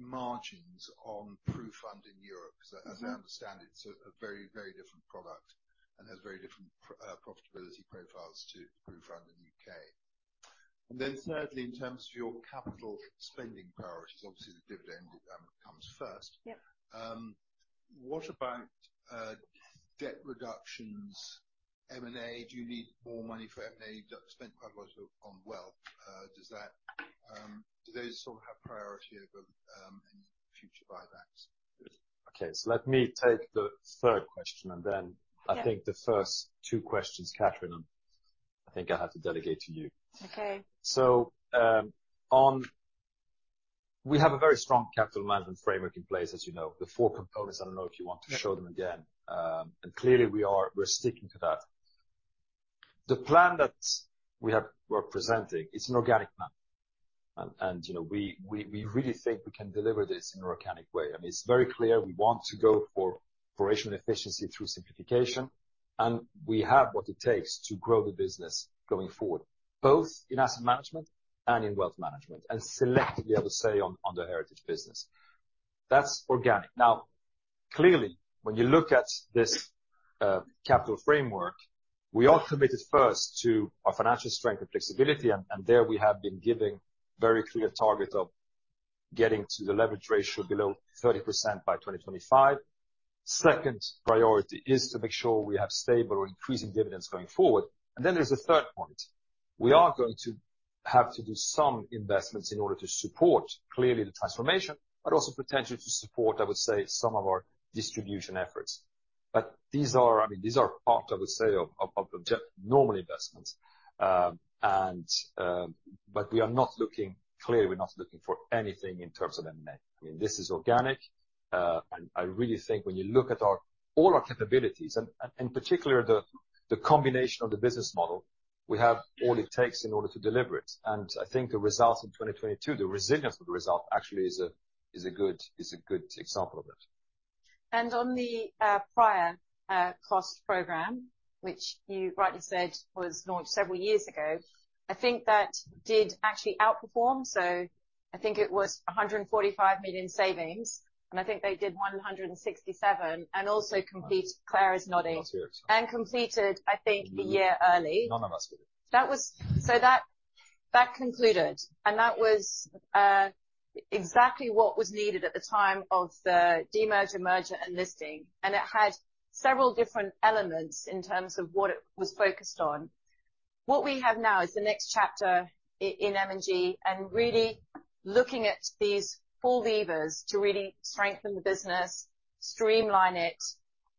margins on PruFund in Europe? Mm-hmm. 'Cause as I understand it's a very, very different product and has very different profitability profiles to PruFund in the U.K. Then thirdly, in terms of your capital spending power, which is obviously the dividend comes first. Yeah. What about debt reductions, M&A? Do you need more money for M&A? You spent quite a lot of on wealth. Does that do those sort of have priority over any future buybacks? Okay. let me take the third question. Yeah.... I think the first two questions, Kathryn, I think I have to delegate to you. Okay. We have a very strong capital management framework in place, as you know. The four components, I don't know if you want to show them again. Clearly we're sticking to that. The plan that we're presenting, it's an organic plan. You know, we really think we can deliver this in an organic way. I mean, it's very clear we want to go for operational efficiency through simplification, we have what it takes to grow the business going forward, both in asset management and in wealth management, and selectively have a say on the Heritage business. That's organic. Clearly, when you look at this capital framework, we are committed first to our financial strength and flexibility. There we have been giving very clear targets of getting to the leverage ratio below 30% by 2025. Second priority is to make sure we have stable or increasing dividends going forward. Then there's a third point. We are going to have to do some investments in order to support, clearly, the transformation, but also potentially to support, I would say, some of our distribution efforts. But these are, I mean, these are part, I would say, of, of just normal investments. But we are not looking, clearly we're not looking for anything in terms of M&A. I mean, this is organic. I really think when you look at our, all our capabilities, and in particular the combination of the business model, we have all it takes in order to deliver it. I think the results in 2022, the resilience of the result actually is a good example of it. On the prior cost program, which you rightly said was launched several years ago, I think that did actually outperform. I think it was 145 million savings, and I think they did 167, and also. That's it. Claire is nodding. That's it. Completed, I think, a year early. None of us did. That concluded, and that was exactly what was needed at the time of the de-merger, merger, and listing, and it had several different elements in terms of what it was focused on. What we have now is the next chapter in M&G and really looking at these four levers to really strengthen the business, streamline it,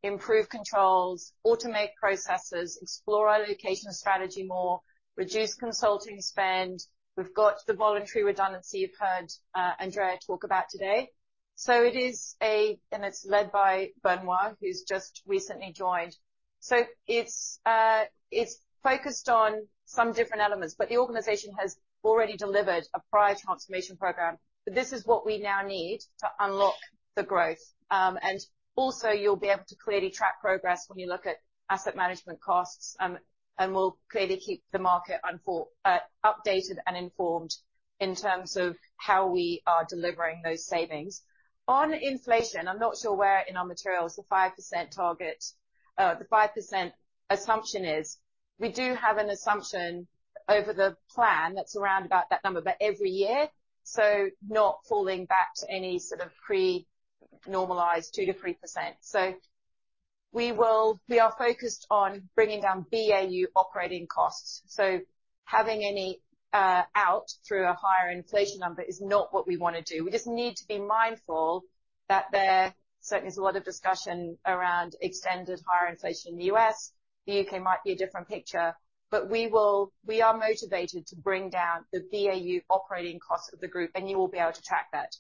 improve controls, automate processes, explore our location strategy more, reduce consulting spend. We've got the voluntary redundancy you've heard Andrea talk about today. And it's led by Benoît, who's just recently joined. It's focused on some different elements, but the organization has already delivered a prior transformation program. This is what we now need to unlock the growth. And also you'll be able to clearly track progress when you look at asset management costs. We'll clearly keep the market updated and informed in terms of how we are delivering those savings. On inflation, I'm not sure where in our materials the 5% target, the 5% assumption is. We do have an assumption over the plan that's around about that number, but every year, so not falling back to any sort of pre-normalized 2%-3%. We are focused on bringing down BAU operating costs. Having any out through a higher inflation number is not what we wanna do. We just need to be mindful that there certainly is a lot of discussion around extended higher inflation in the U.S. The U.K. might be a different picture. We will, we are motivated to bring down the BAU operating costs of the group, and you will be able to track that.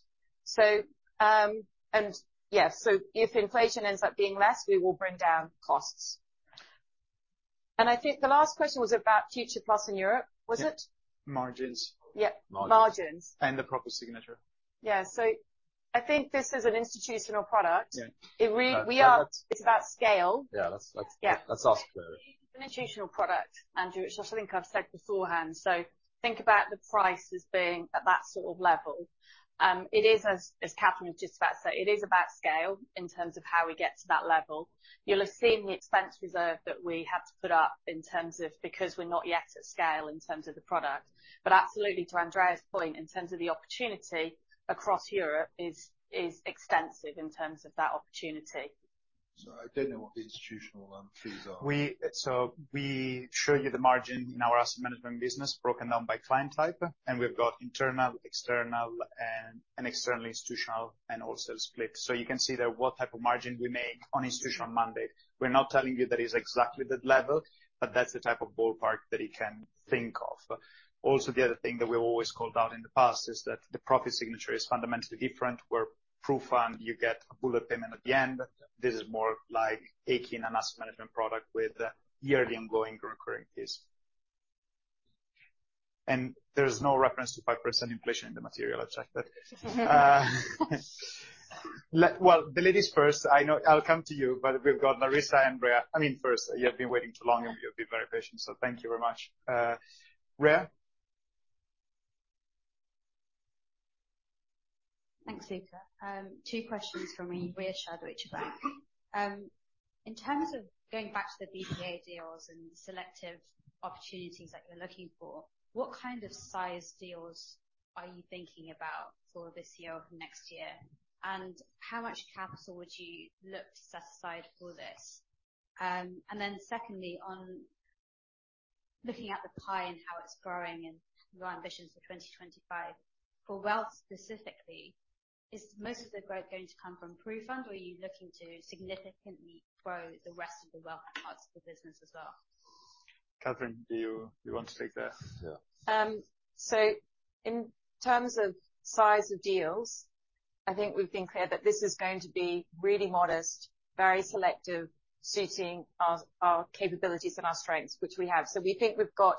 Yeah. If inflation ends up being less, we will bring down costs. I think the last question was about Future+ in Europe, was it? Yeah. Margins. Yeah. Margins. Margins. The proper signature. Yeah. I think this is an institutional product. Yeah. It re- That's. It's about scale. Yeah. Let's. Yeah. Let's ask Claire. Institutional product, Andrew, it's just something I've said beforehand. Think about the price as being at that sort of level. It is, as Kathryn was just about to say, it is about scale in terms of how we get to that level. You'll have seen the expense reserve that we had to put up in terms of because we're not yet at scale in terms of the product. Absolutely, to Andrea's point, in terms of the opportunity across Europe is extensive in terms of that opportunity. I don't know what the institutional fees are. So we show you the margin in our asset management business broken down by client type, and we've got internal, external, and external institutional, and also split. You can see that what type of margin we make on institutional mandate. We're not telling you that it's exactly that level, but that's the type of ballpark that you can think of. Also, the other thing that we've always called out in the past is that the profit signature is fundamentally different, where PruFund, you get a bullet payment at the end. This is more like taking an asset management product with a yearly ongoing recurring fees. There is no reference to 5% inflation in the material, I've checked that. Well, the ladies first. I'll come to you, but we've got Larissa and Rhea. I mean, first, you have been waiting too long, and you've been very patient, so thank you very much. Rhea? Thanks, Luca. two questions from me, Rhea Shah, Deutsche Bank. In terms of going back to the BPA deals and selective opportunities that you're looking for, what kind of size deals are you thinking about for this year or for next year? How much capital would you look to set aside for this? Then secondly, on looking at the pie and how it's growing and your ambitions for 2025, for wealth specifically, is most of the growth going to come from PruFund, or are you looking to significantly grow the rest of the wealth parts of the business as well? Kathryn, do you want to take that? Yeah. In terms of size of deals, I think we've been clear that this is going to be really modest, very selective, suiting our capabilities and our strengths, which we have. We think we've got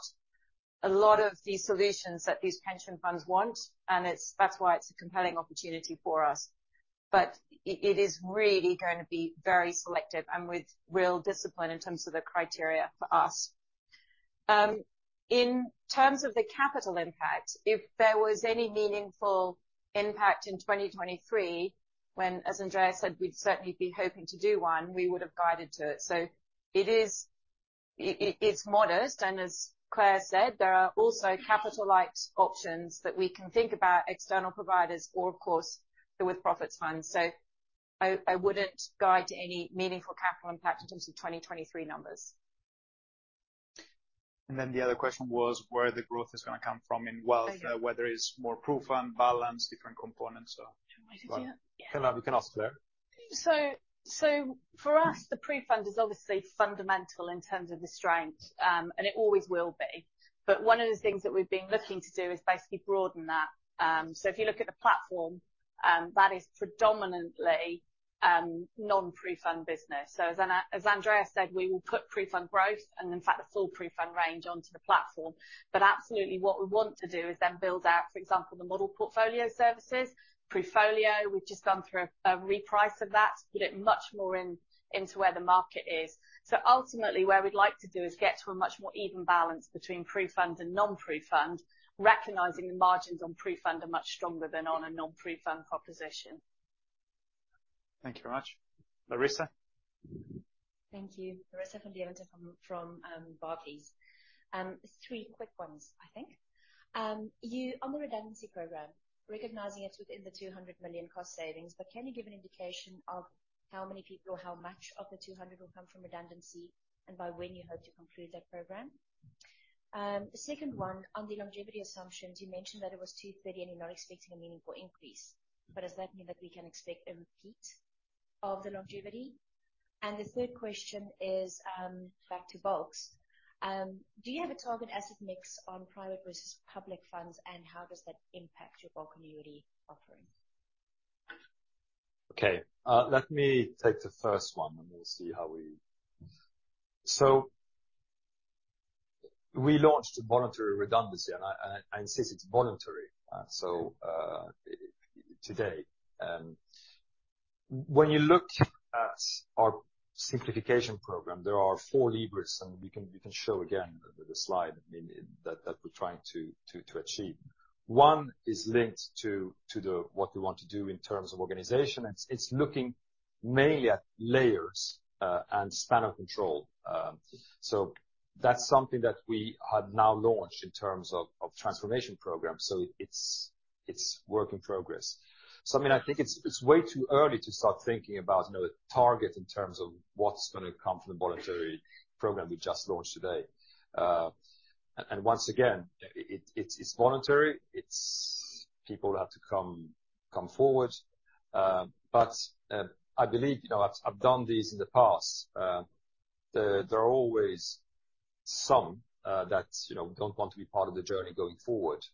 a lot of these solutions that these pension funds want, that's why it's a compelling opportunity for us. It is really gonna be very selective and with real discipline in terms of the criteria for us. In terms of the capital impact, if there was any meaningful impact in 2023, when, as Andrea Rossi said, we'd certainly be hoping to do one, we would have guided to it. It's modest, and as Claire said, there are also capital-light options that we can think about external providers or, of course, the with-profits funds. I wouldn't guide to any meaningful capital impact in terms of 2023 numbers. The other question was where the growth is gonna come from. Okay. Whether it's more PruFund, balance, different components. Do you want me to do that? You can ask Claire. For us, the PruFund is obviously fundamental in terms of the strength, and it always will be. One of the things that we've been looking to do is basically broaden that. If you look at the platform, that is predominantly non-PruFund business. As Andrea said, we will put PruFund Growth and, in fact, the full PruFund range onto the platform. Absolutely, what we want to do is then build out, for example, the Model Portfolio Services. PruFolio, we've just gone through a reprice of that to put it much more into where the market is. Ultimately, where we'd like to do is get to a much more even balance between PruFund and non-PruFund, recognizing the margins on PruFund are much stronger than on a non-PruFund proposition. Thank you very much. Larissa? Thank you. Larissa Van Deventer from Barclays. Just three quick ones, I think. On the redundancy program, recognizing it's within the 200 million cost savings, can you give an indication of how many people or how much of the 200 million will come from redundancy and by when you hope to conclude that program? The second one, on the longevity assumptions, you mentioned that it was 230, and you're not expecting a meaningful increase. Does that mean that we can expect a repeat of the longevity? The third question is, back to bulks. Do you have a target asset mix on private versus public funds, and how does that impact your bulk annuity offering? Okay. Let me take the first one, and we'll see how we... We launched voluntary redundancy, and I insist it's voluntary. Today, when you look at our simplification program, there are four levers, and we can show again the slide that we're trying to achieve. One is linked to the what we want to do in terms of organization. It's looking mainly at layers, and span of control. That's something that we have now launched in terms of transformation program. It's work in progress. I mean, I think it's way too early to start thinking about, you know, the target in terms of what's gonna come from the voluntary program we just launched today. Once again, it's voluntary. It's people have to come forward. But, I believe, you know, I've done these in the past. There are always some that, you know, don't want to be part of the journey going forward.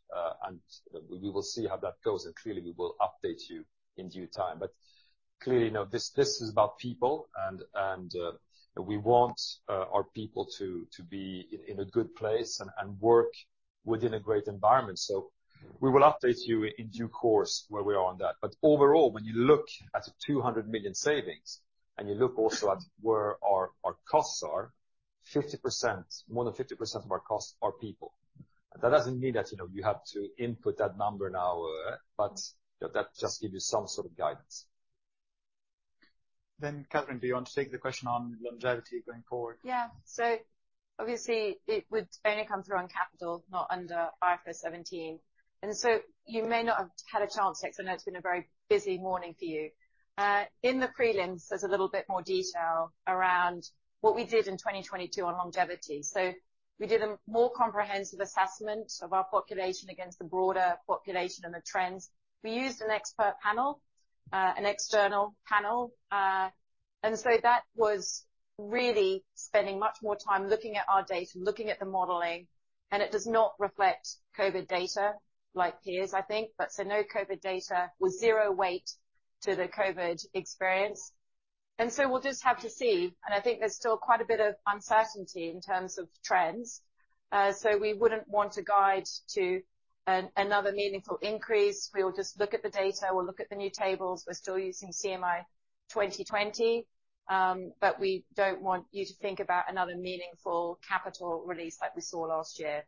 We will see how that goes. Clearly, we will update you in due time. Clearly, you know, this is about people and we want our people to be in a good place and work within a great environment. We will update you in due course where we are on that. Overall, when you look at the 200 million savings and you look also at where our costs are, 50%, more than 50% of our costs are people. That doesn't mean that, you know, you have to input that number now, but that just give you some sort of guidance. Kathryn, do you want to take the question on longevity going forward? Yeah. Obviously, it would only come through on capital, not under IFRS 17. You may not have had a chance, because I know it's been a very busy morning for you. In the prelims, there's a little bit more detail around what we did in 2022 on longevity. We did a more comprehensive assessment of our population against the broader population and the trends. We used an expert panel, an external panel. That was really spending much more time looking at our data, looking at the modeling, and it does not reflect COVID data like peers, I think. No COVID data with zero weight to the COVID experience. We'll just have to see, and I think there's still quite a bit of uncertainty in terms of trends. We wouldn't want to guide to another meaningful increase. We will just look at the data, we'll look at the new tables. We're still using CMI 2020. We don't want you to think about another meaningful capital release like we saw last year.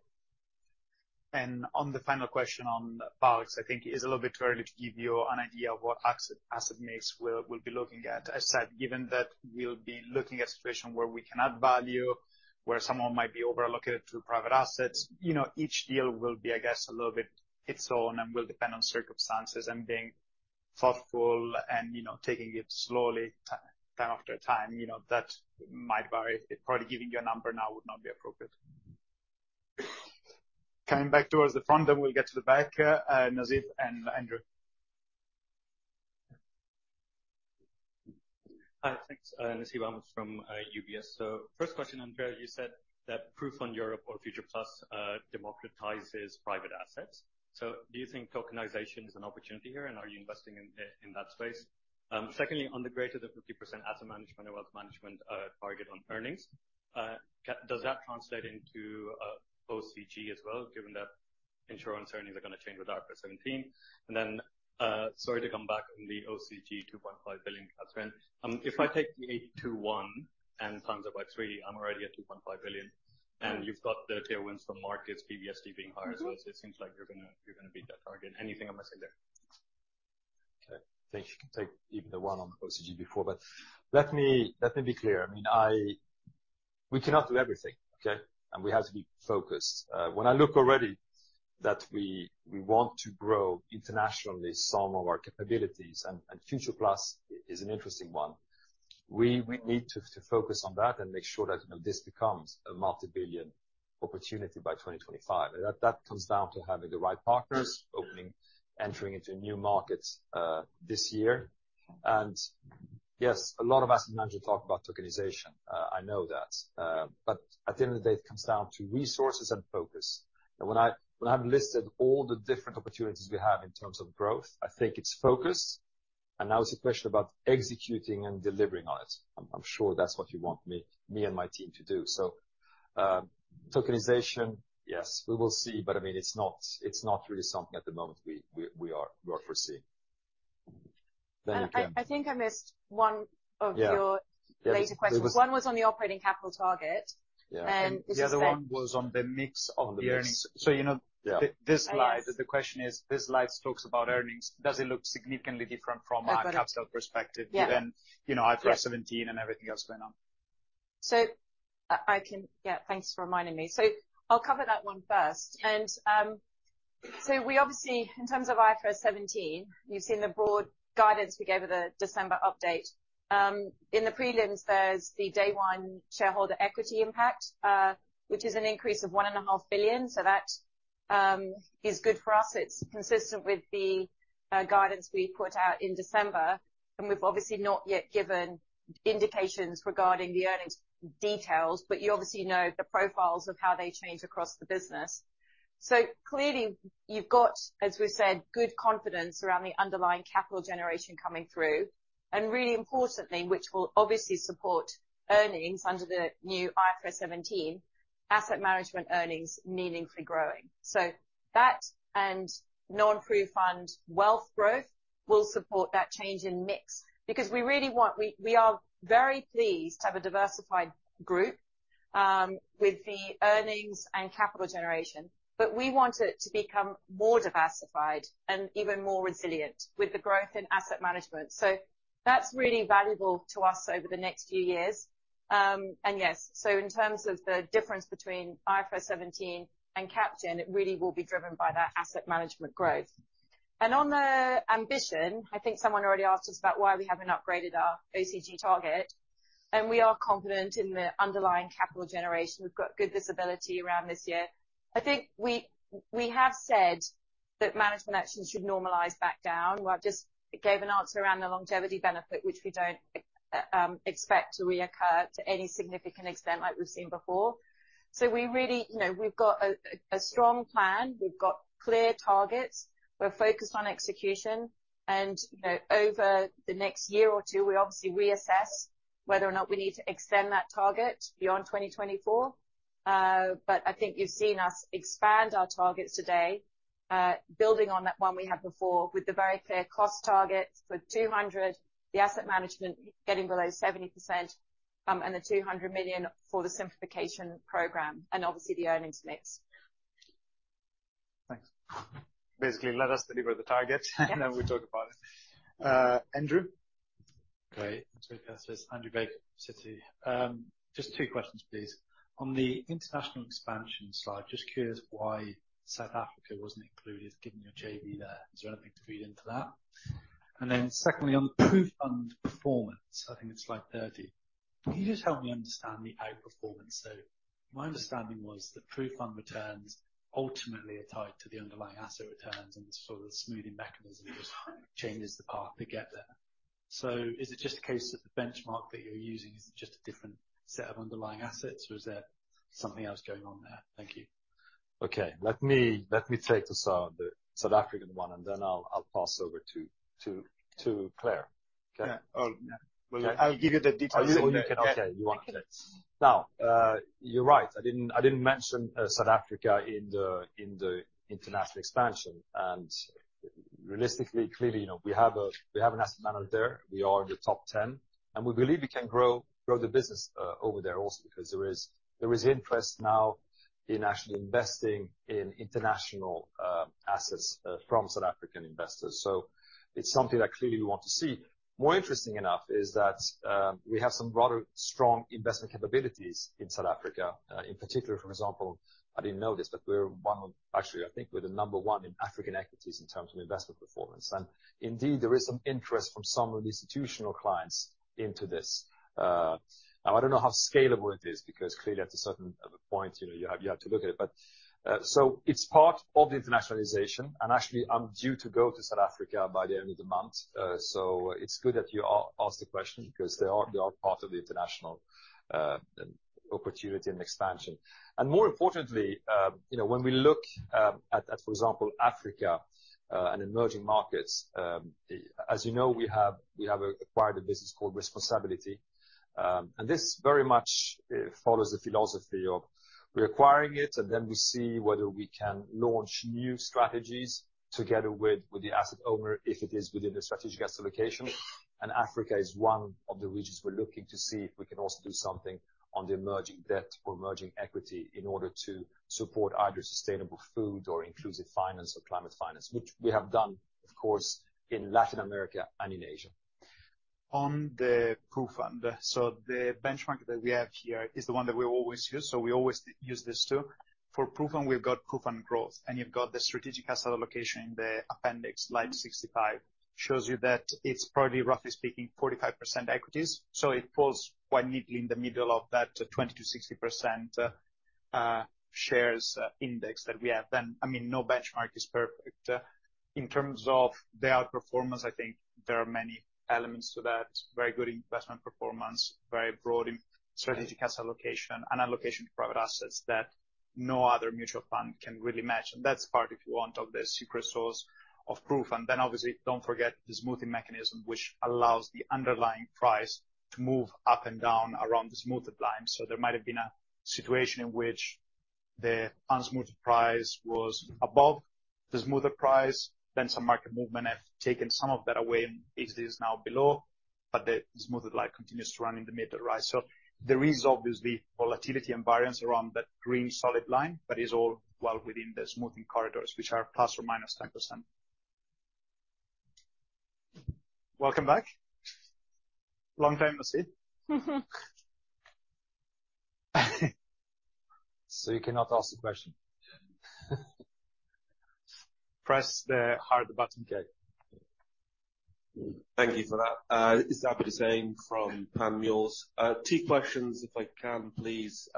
On the final question on bulks, I think it is a little bit too early to give you an idea of what asset mix we'll be looking at. I said, given that we'll be looking at a situation where we can add value, where someone might be over-allocated to private assets, you know, each deal will be, I guess, a little bit its own and will depend on circumstances and being thoughtful and, you know, taking it slowly time after time, you know, that might vary. Probably giving you a number now would not be appropriate. Coming back towards the front, then we'll get to the back, Nasib and Andrew. Hi. Thanks. Nasib Ahmed from UBS. First question, Andrea, you said that PruFund Europe or Future+ democratizes private assets. Do you think tokenization is an opportunity here, and are you investing in that space? Secondly, on the greater than 50% asset management or wealth management target on earnings, does that translate into OCG as well, given that insurance earnings are gonna change with IFRS 17? Sorry to come back on the OCG 2.5 billion spend. If I take the 8 to 1 and times it by 3, I'm already at 2.5 billion, and you've got the tailwinds from markets, PVST being higher as well. It seems like you're gonna beat that target. Anything I'm missing there? Okay. I think you can take even the one on OCG before, but let me be clear. I mean, we cannot do everything, okay? We have to be focused. When I look already that we want to grow internationally some of our capabilities, and Future+ is an interesting one. We need to focus on that and make sure that, you know, this becomes a multi-billion opportunity by 2025. That comes down to having the right partners, opening, entering into new markets this year. Yes, a lot of Asset Managers talk about tokenization. I know that. At the end of the day, it comes down to resources and focus. When I've listed all the different opportunities we have in terms of growth, I think it's focus. Now it's a question about executing and delivering on it. I'm sure that's what you want me and my team to do. Tokenization, yes, we will see, but I mean, it's not, it's not really something at the moment we are foreseeing. You, Kathryn. I think I missed one of your- Yeah. later questions. There was- One was on the operating capital target. Yeah. And the second- The other one was on the mix of the earnings. On the mix. you know. Yeah. This slide, the question is, this slide talks about earnings. Does it look significantly different? I've got it. A capital perspective. Yeah. Given, you know, IFRS 17 and everything else going on? Yeah, thanks for reminding me. I'll cover that one first. We obviously, in terms of IFRS 17, you've seen the broad guidance we gave with the December update. In the prelims, there's the day one shareholder equity impact, which is an increase of 1.5 billion. That is good for us. It's consistent with the guidance we put out in December, we've obviously not yet given indications regarding the earnings details, you obviously know the profiles of how they change across the business. Clearly, you've got, as we've said, good confidence around the underlying capital generation coming through, and really importantly, which will obviously support earnings under the new IFRS 17 asset management earnings meaningfully growing. That and non-PruFund wealth growth will support that change in mix. We are very pleased to have a diversified group, with the earnings and capital generation, but we want it to become more diversified and even more resilient with the growth in asset management. That's really valuable to us over the next few years. Yes, so in terms of the difference between IFRS 17 and cap gen, it really will be driven by that asset management growth. On the ambition, I think someone already asked us about why we haven't upgraded our OCG target, and we are confident in the underlying capital generation. We've got good visibility around this year. I think we have said that management actions should normalize back down. Well, I've just gave an answer around the longevity benefit, which we don't expect to reoccur to any significant extent like we've seen before. We really, you know, we've got a strong plan. We've got clear targets. We're focused on execution. You know, over the next year or two, we obviously reassess whether or not we need to extend that target beyond 2024. I think you've seen us expand our targets today, building on that one we had before with the very clear cost targets for 200, the asset management getting below 70%, and the 200 million for the simplification program, and obviously the earnings mix. Thanks. Basically, let us deliver the target, and then we talk about it. Andrew? Great. This is Andrew Baker, Citi. Just two questions, please. On the international expansion slide, just curious why South Africa wasn't included given your JV there. Is there anything to read into that? Secondly, on the PruFund performance, I think it's slide 30. Can you just help me understand the outperformance? My understanding was that PruFund returns ultimately are tied to the underlying asset returns, and this sort of smoothing mechanism just changes the path to get there. Is it just a case that the benchmark that you're using is just a different set of underlying assets, or is there something else going on there? Thank you. Okay. Let me take the South African one, and then I'll pass over to Claire. Okay? Yeah. Oh. Okay. Well, I'll give you the details. Okay. Now, you're right. I didn't mention South Africa in the international expansion. Realistically, clearly, you know, we have an Asset Manager there. We are in the top 10, and we believe we can grow the business over there also because there is interest now in actually investing in international assets from South African investors. It's something that clearly we want to see. More interesting enough is that we have some rather strong investment capabilities in South Africa. In particular, for example, I didn't know this, but we're one of. Actually, I think we're the number one in African equities in terms of investment performance. Indeed, there is some interest from some of the institutional clients into this. Now, I don't know how scalable it is because clearly at a certain point, you know, you have, you have to look at it. So it's part of the internationalization, and actually I'm due to go to South Africa by the end of the month. So it's good that you ask the question because they are, they are part of the international opportunity and expansion. More importantly, you know, when we look at, for example, Africa and emerging markets, as you know, we have, we have acquired a business called responsAbility. And this very much follows the philosophy of we're acquiring it, and then we see whether we can launch new strategies together with the Asset Owner if it is within the strategic asset location. Africa is one of the regions we're looking to see if we can also do something on the emerging debt or emerging equity in order to support either sustainable food or inclusive finance or climate finance, which we have done, of course, in Latin America and in Asia. On the PruFund. The benchmark that we have here is the one that we always use. We always use this too. For PruFund, we've got PruFund Growth, You've got the strategic asset allocation in the appendix, slide 65, shows you that it's probably, roughly speaking, 45% equities. It falls quite neatly in the middle of that 20%-60% shares index that we have then. I mean, no benchmark is perfect. In terms of the outperformance, I think there are many elements to that, very good investment performance, very broad in strategic asset allocation and allocation to private assets that no other mutual fund can really match. That's part, if you want, of the secret sauce of PruFund. Obviously don't forget the smoothing mechanism, which allows the underlying price to move up and down around the smoothed line. There might have been a situation in which the unsmoothed price was above the smoothed price, then some market movement have taken some of that away, and it is now below, but the smoothed line continues to run in the middle, right? There is obviously volatility and variance around that green solid line, but it's all well within the smoothing corridors, which are ±10%. Welcome back. Long time no see. You cannot ask the question. Press the hard the button gear. Thank you for that. It's Abid Hussain from Panmure. Two questions if I can, please.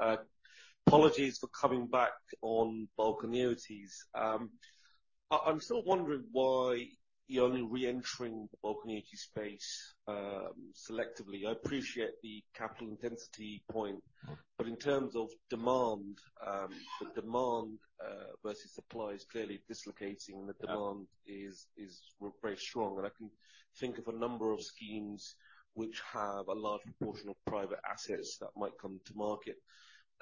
Apologies for coming back on bulk annuities. I'm still wondering why you're only reentering the bulk annuity space selectively. I appreciate the capital intensity point, but in terms of demand, the demand versus supply is clearly dislocating. The demand is very strong. I can think of a number of schemes which have a large portion of private assets that might come to market.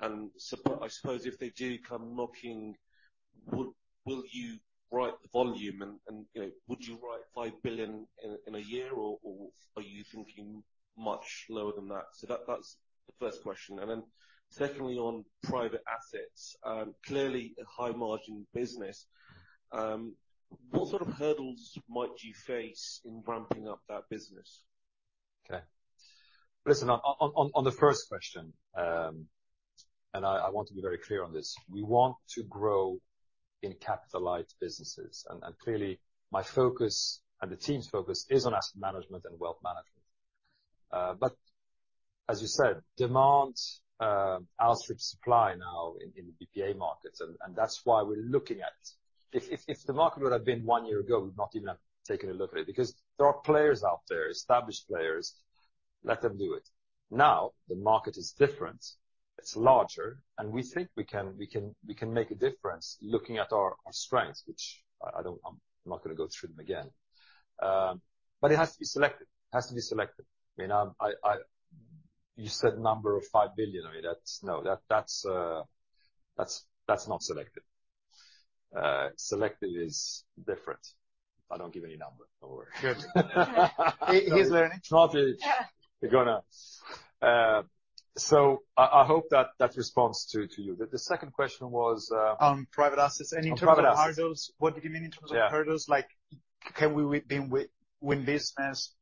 I suppose if they do come knocking, will you write the volume? You know, would you write 5 billion in a year, or are you thinking much lower than that? That's the first question. Secondly, on private assets, clearly a high margin business, what sort of hurdles might you face in ramping up that business? Okay. Listen, on the first question, and I want to be very clear on this. We want to grow in capital light businesses. Clearly my focus and the team's focus is on asset management and wealth management. As you said, demand outstrips supply now in the BPA markets, and that's why we're looking at it. If the market would have been 1 year ago, we would not even have taken a look at it because there are players out there, established players, let them do it. Now, the market is different, it's larger, and we think we can make a difference looking at our strengths, which I'm not gonna go through them again. It has to be selective. It has to be selective. I mean, you said number of 5 billion. I mean, that's. No, that's not selective. Selective is different. I don't give any number. Don't worry. Good. He, he's learning. Not here. We're gonna. I hope that responds to you. The second question was. On private assets. On private assets. In terms of hurdles, what do you mean in terms of hurdles? Yeah. Like can we win, win business?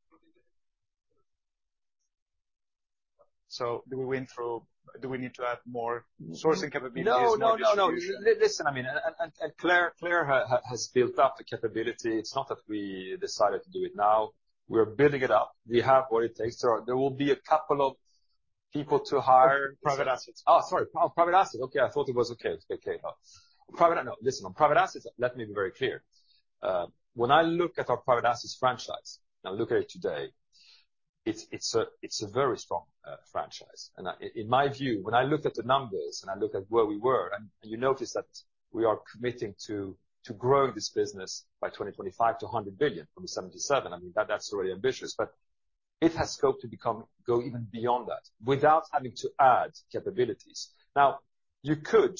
Do we win through... Do we need to add more sourcing capabilities? No, no, no. listen, I mean, and Claire has built up the capability. It's not that we decided to do it now. We are building it up. We have what it takes. there will be a couple of people to hire. Private assets. Oh, sorry. Private assets. Okay. I thought it was okay. Okay. Listen, on private assets, let me be very clear. When I look at our private assets franchise, and I look at it today, it's a very strong franchise. I, in my view, when I look at the numbers and I look at where we were, and you notice that we are committing to grow this business by 2025 to 100 billion from 77 billion, I mean, that's really ambitious. It has scope to go even beyond that without having to add capabilities. You could,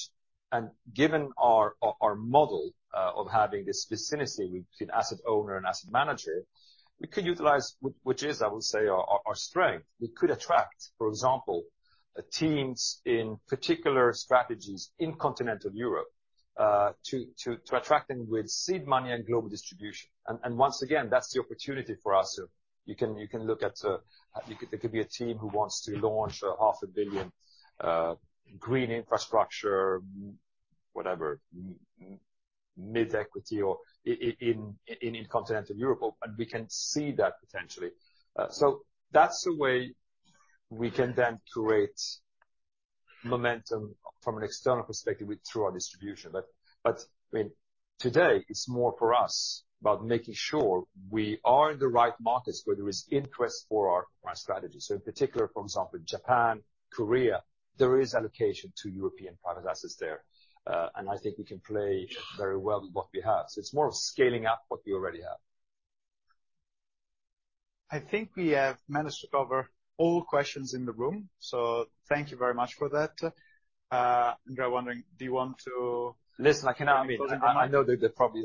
and given our model of having this vicinity between Asset Owner and Asset Manager, we could utilize which is, I will say, our strength. We could attract, for example, teams in particular strategies in continental Europe, to attract them with seed money and global distribution. Once again, that's the opportunity for us to... You can look at, it could be a team who wants to launch a half a billion green infrastructure, whatever, mids equity or in continental Europe, and we can seed that potentially. That's the way we can then create momentum from an external perspective through our distribution. I mean, today, it's more for us about making sure we are in the right markets where there is interest for our strategy. In particular, for example, Japan, Korea, there is allocation to European private assets there. And I think we can play very well with what we have. It's more of scaling up what we already have. I think we have managed to cover all questions in the room. Thank you very much for that. I'm wondering, do you want to. Listen, I mean,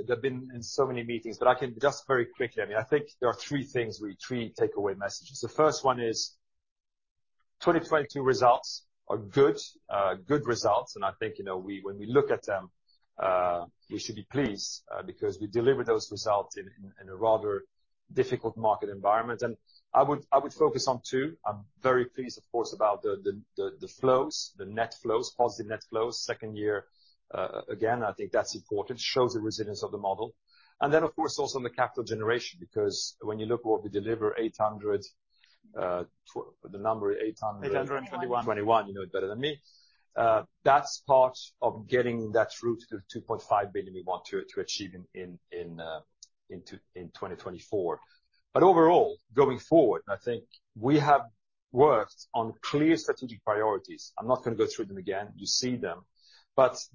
they've been in so many meetings, but I can just very quickly. I mean, I think there are three things, three takeaway messages. The first one is 2022 results are good results. I think, you know, we, when we look at them, we should be pleased because we delivered those results in a rather difficult market environment. I would focus on two. I'm very pleased, of course, about the flows, the net flows, positive net flows, second year. Again, I think that's important, shows the resilience of the model. Of course, also on the capital generation, because when you look what we deliver, 800. 821. 2021. You know it better than me. That's part of getting that route to the 2.5 billion we want to achieve in 2024. Overall, going forward, I think we have worked on clear strategic priorities. I'm not gonna go through them again. You see them.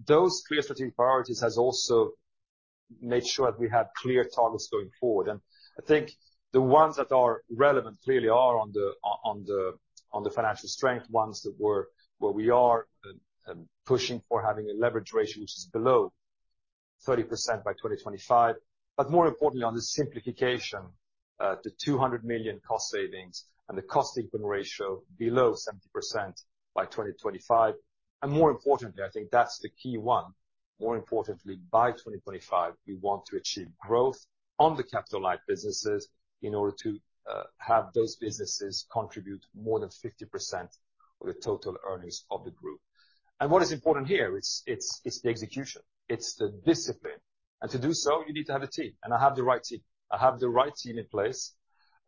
Those clear strategic priorities has also made sure that we have clear targets going forward. I think the ones that are relevant clearly are on the financial strength ones where we are pushing for having a leverage ratio which is below 30% by 2025. More importantly, on the simplification, the 200 million cost savings and the cost equivalent ratio below 70% by 2025. More importantly, I think that's the key one. More importantly, by 2025, we want to achieve growth on the capital-light businesses in order to have those businesses contribute more than 50% of the total earnings of the group. What is important here, it's the execution, it's the discipline. To do so, you need to have a team, and I have the right team. I have the right team in place,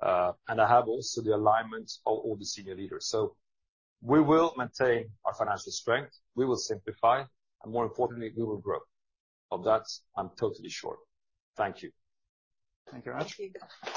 and I have also the alignment of all the senior leaders. We will maintain our financial strength, we will simplify, and more importantly, we will grow. Of that, I'm totally sure. Thank you. Thank you very much.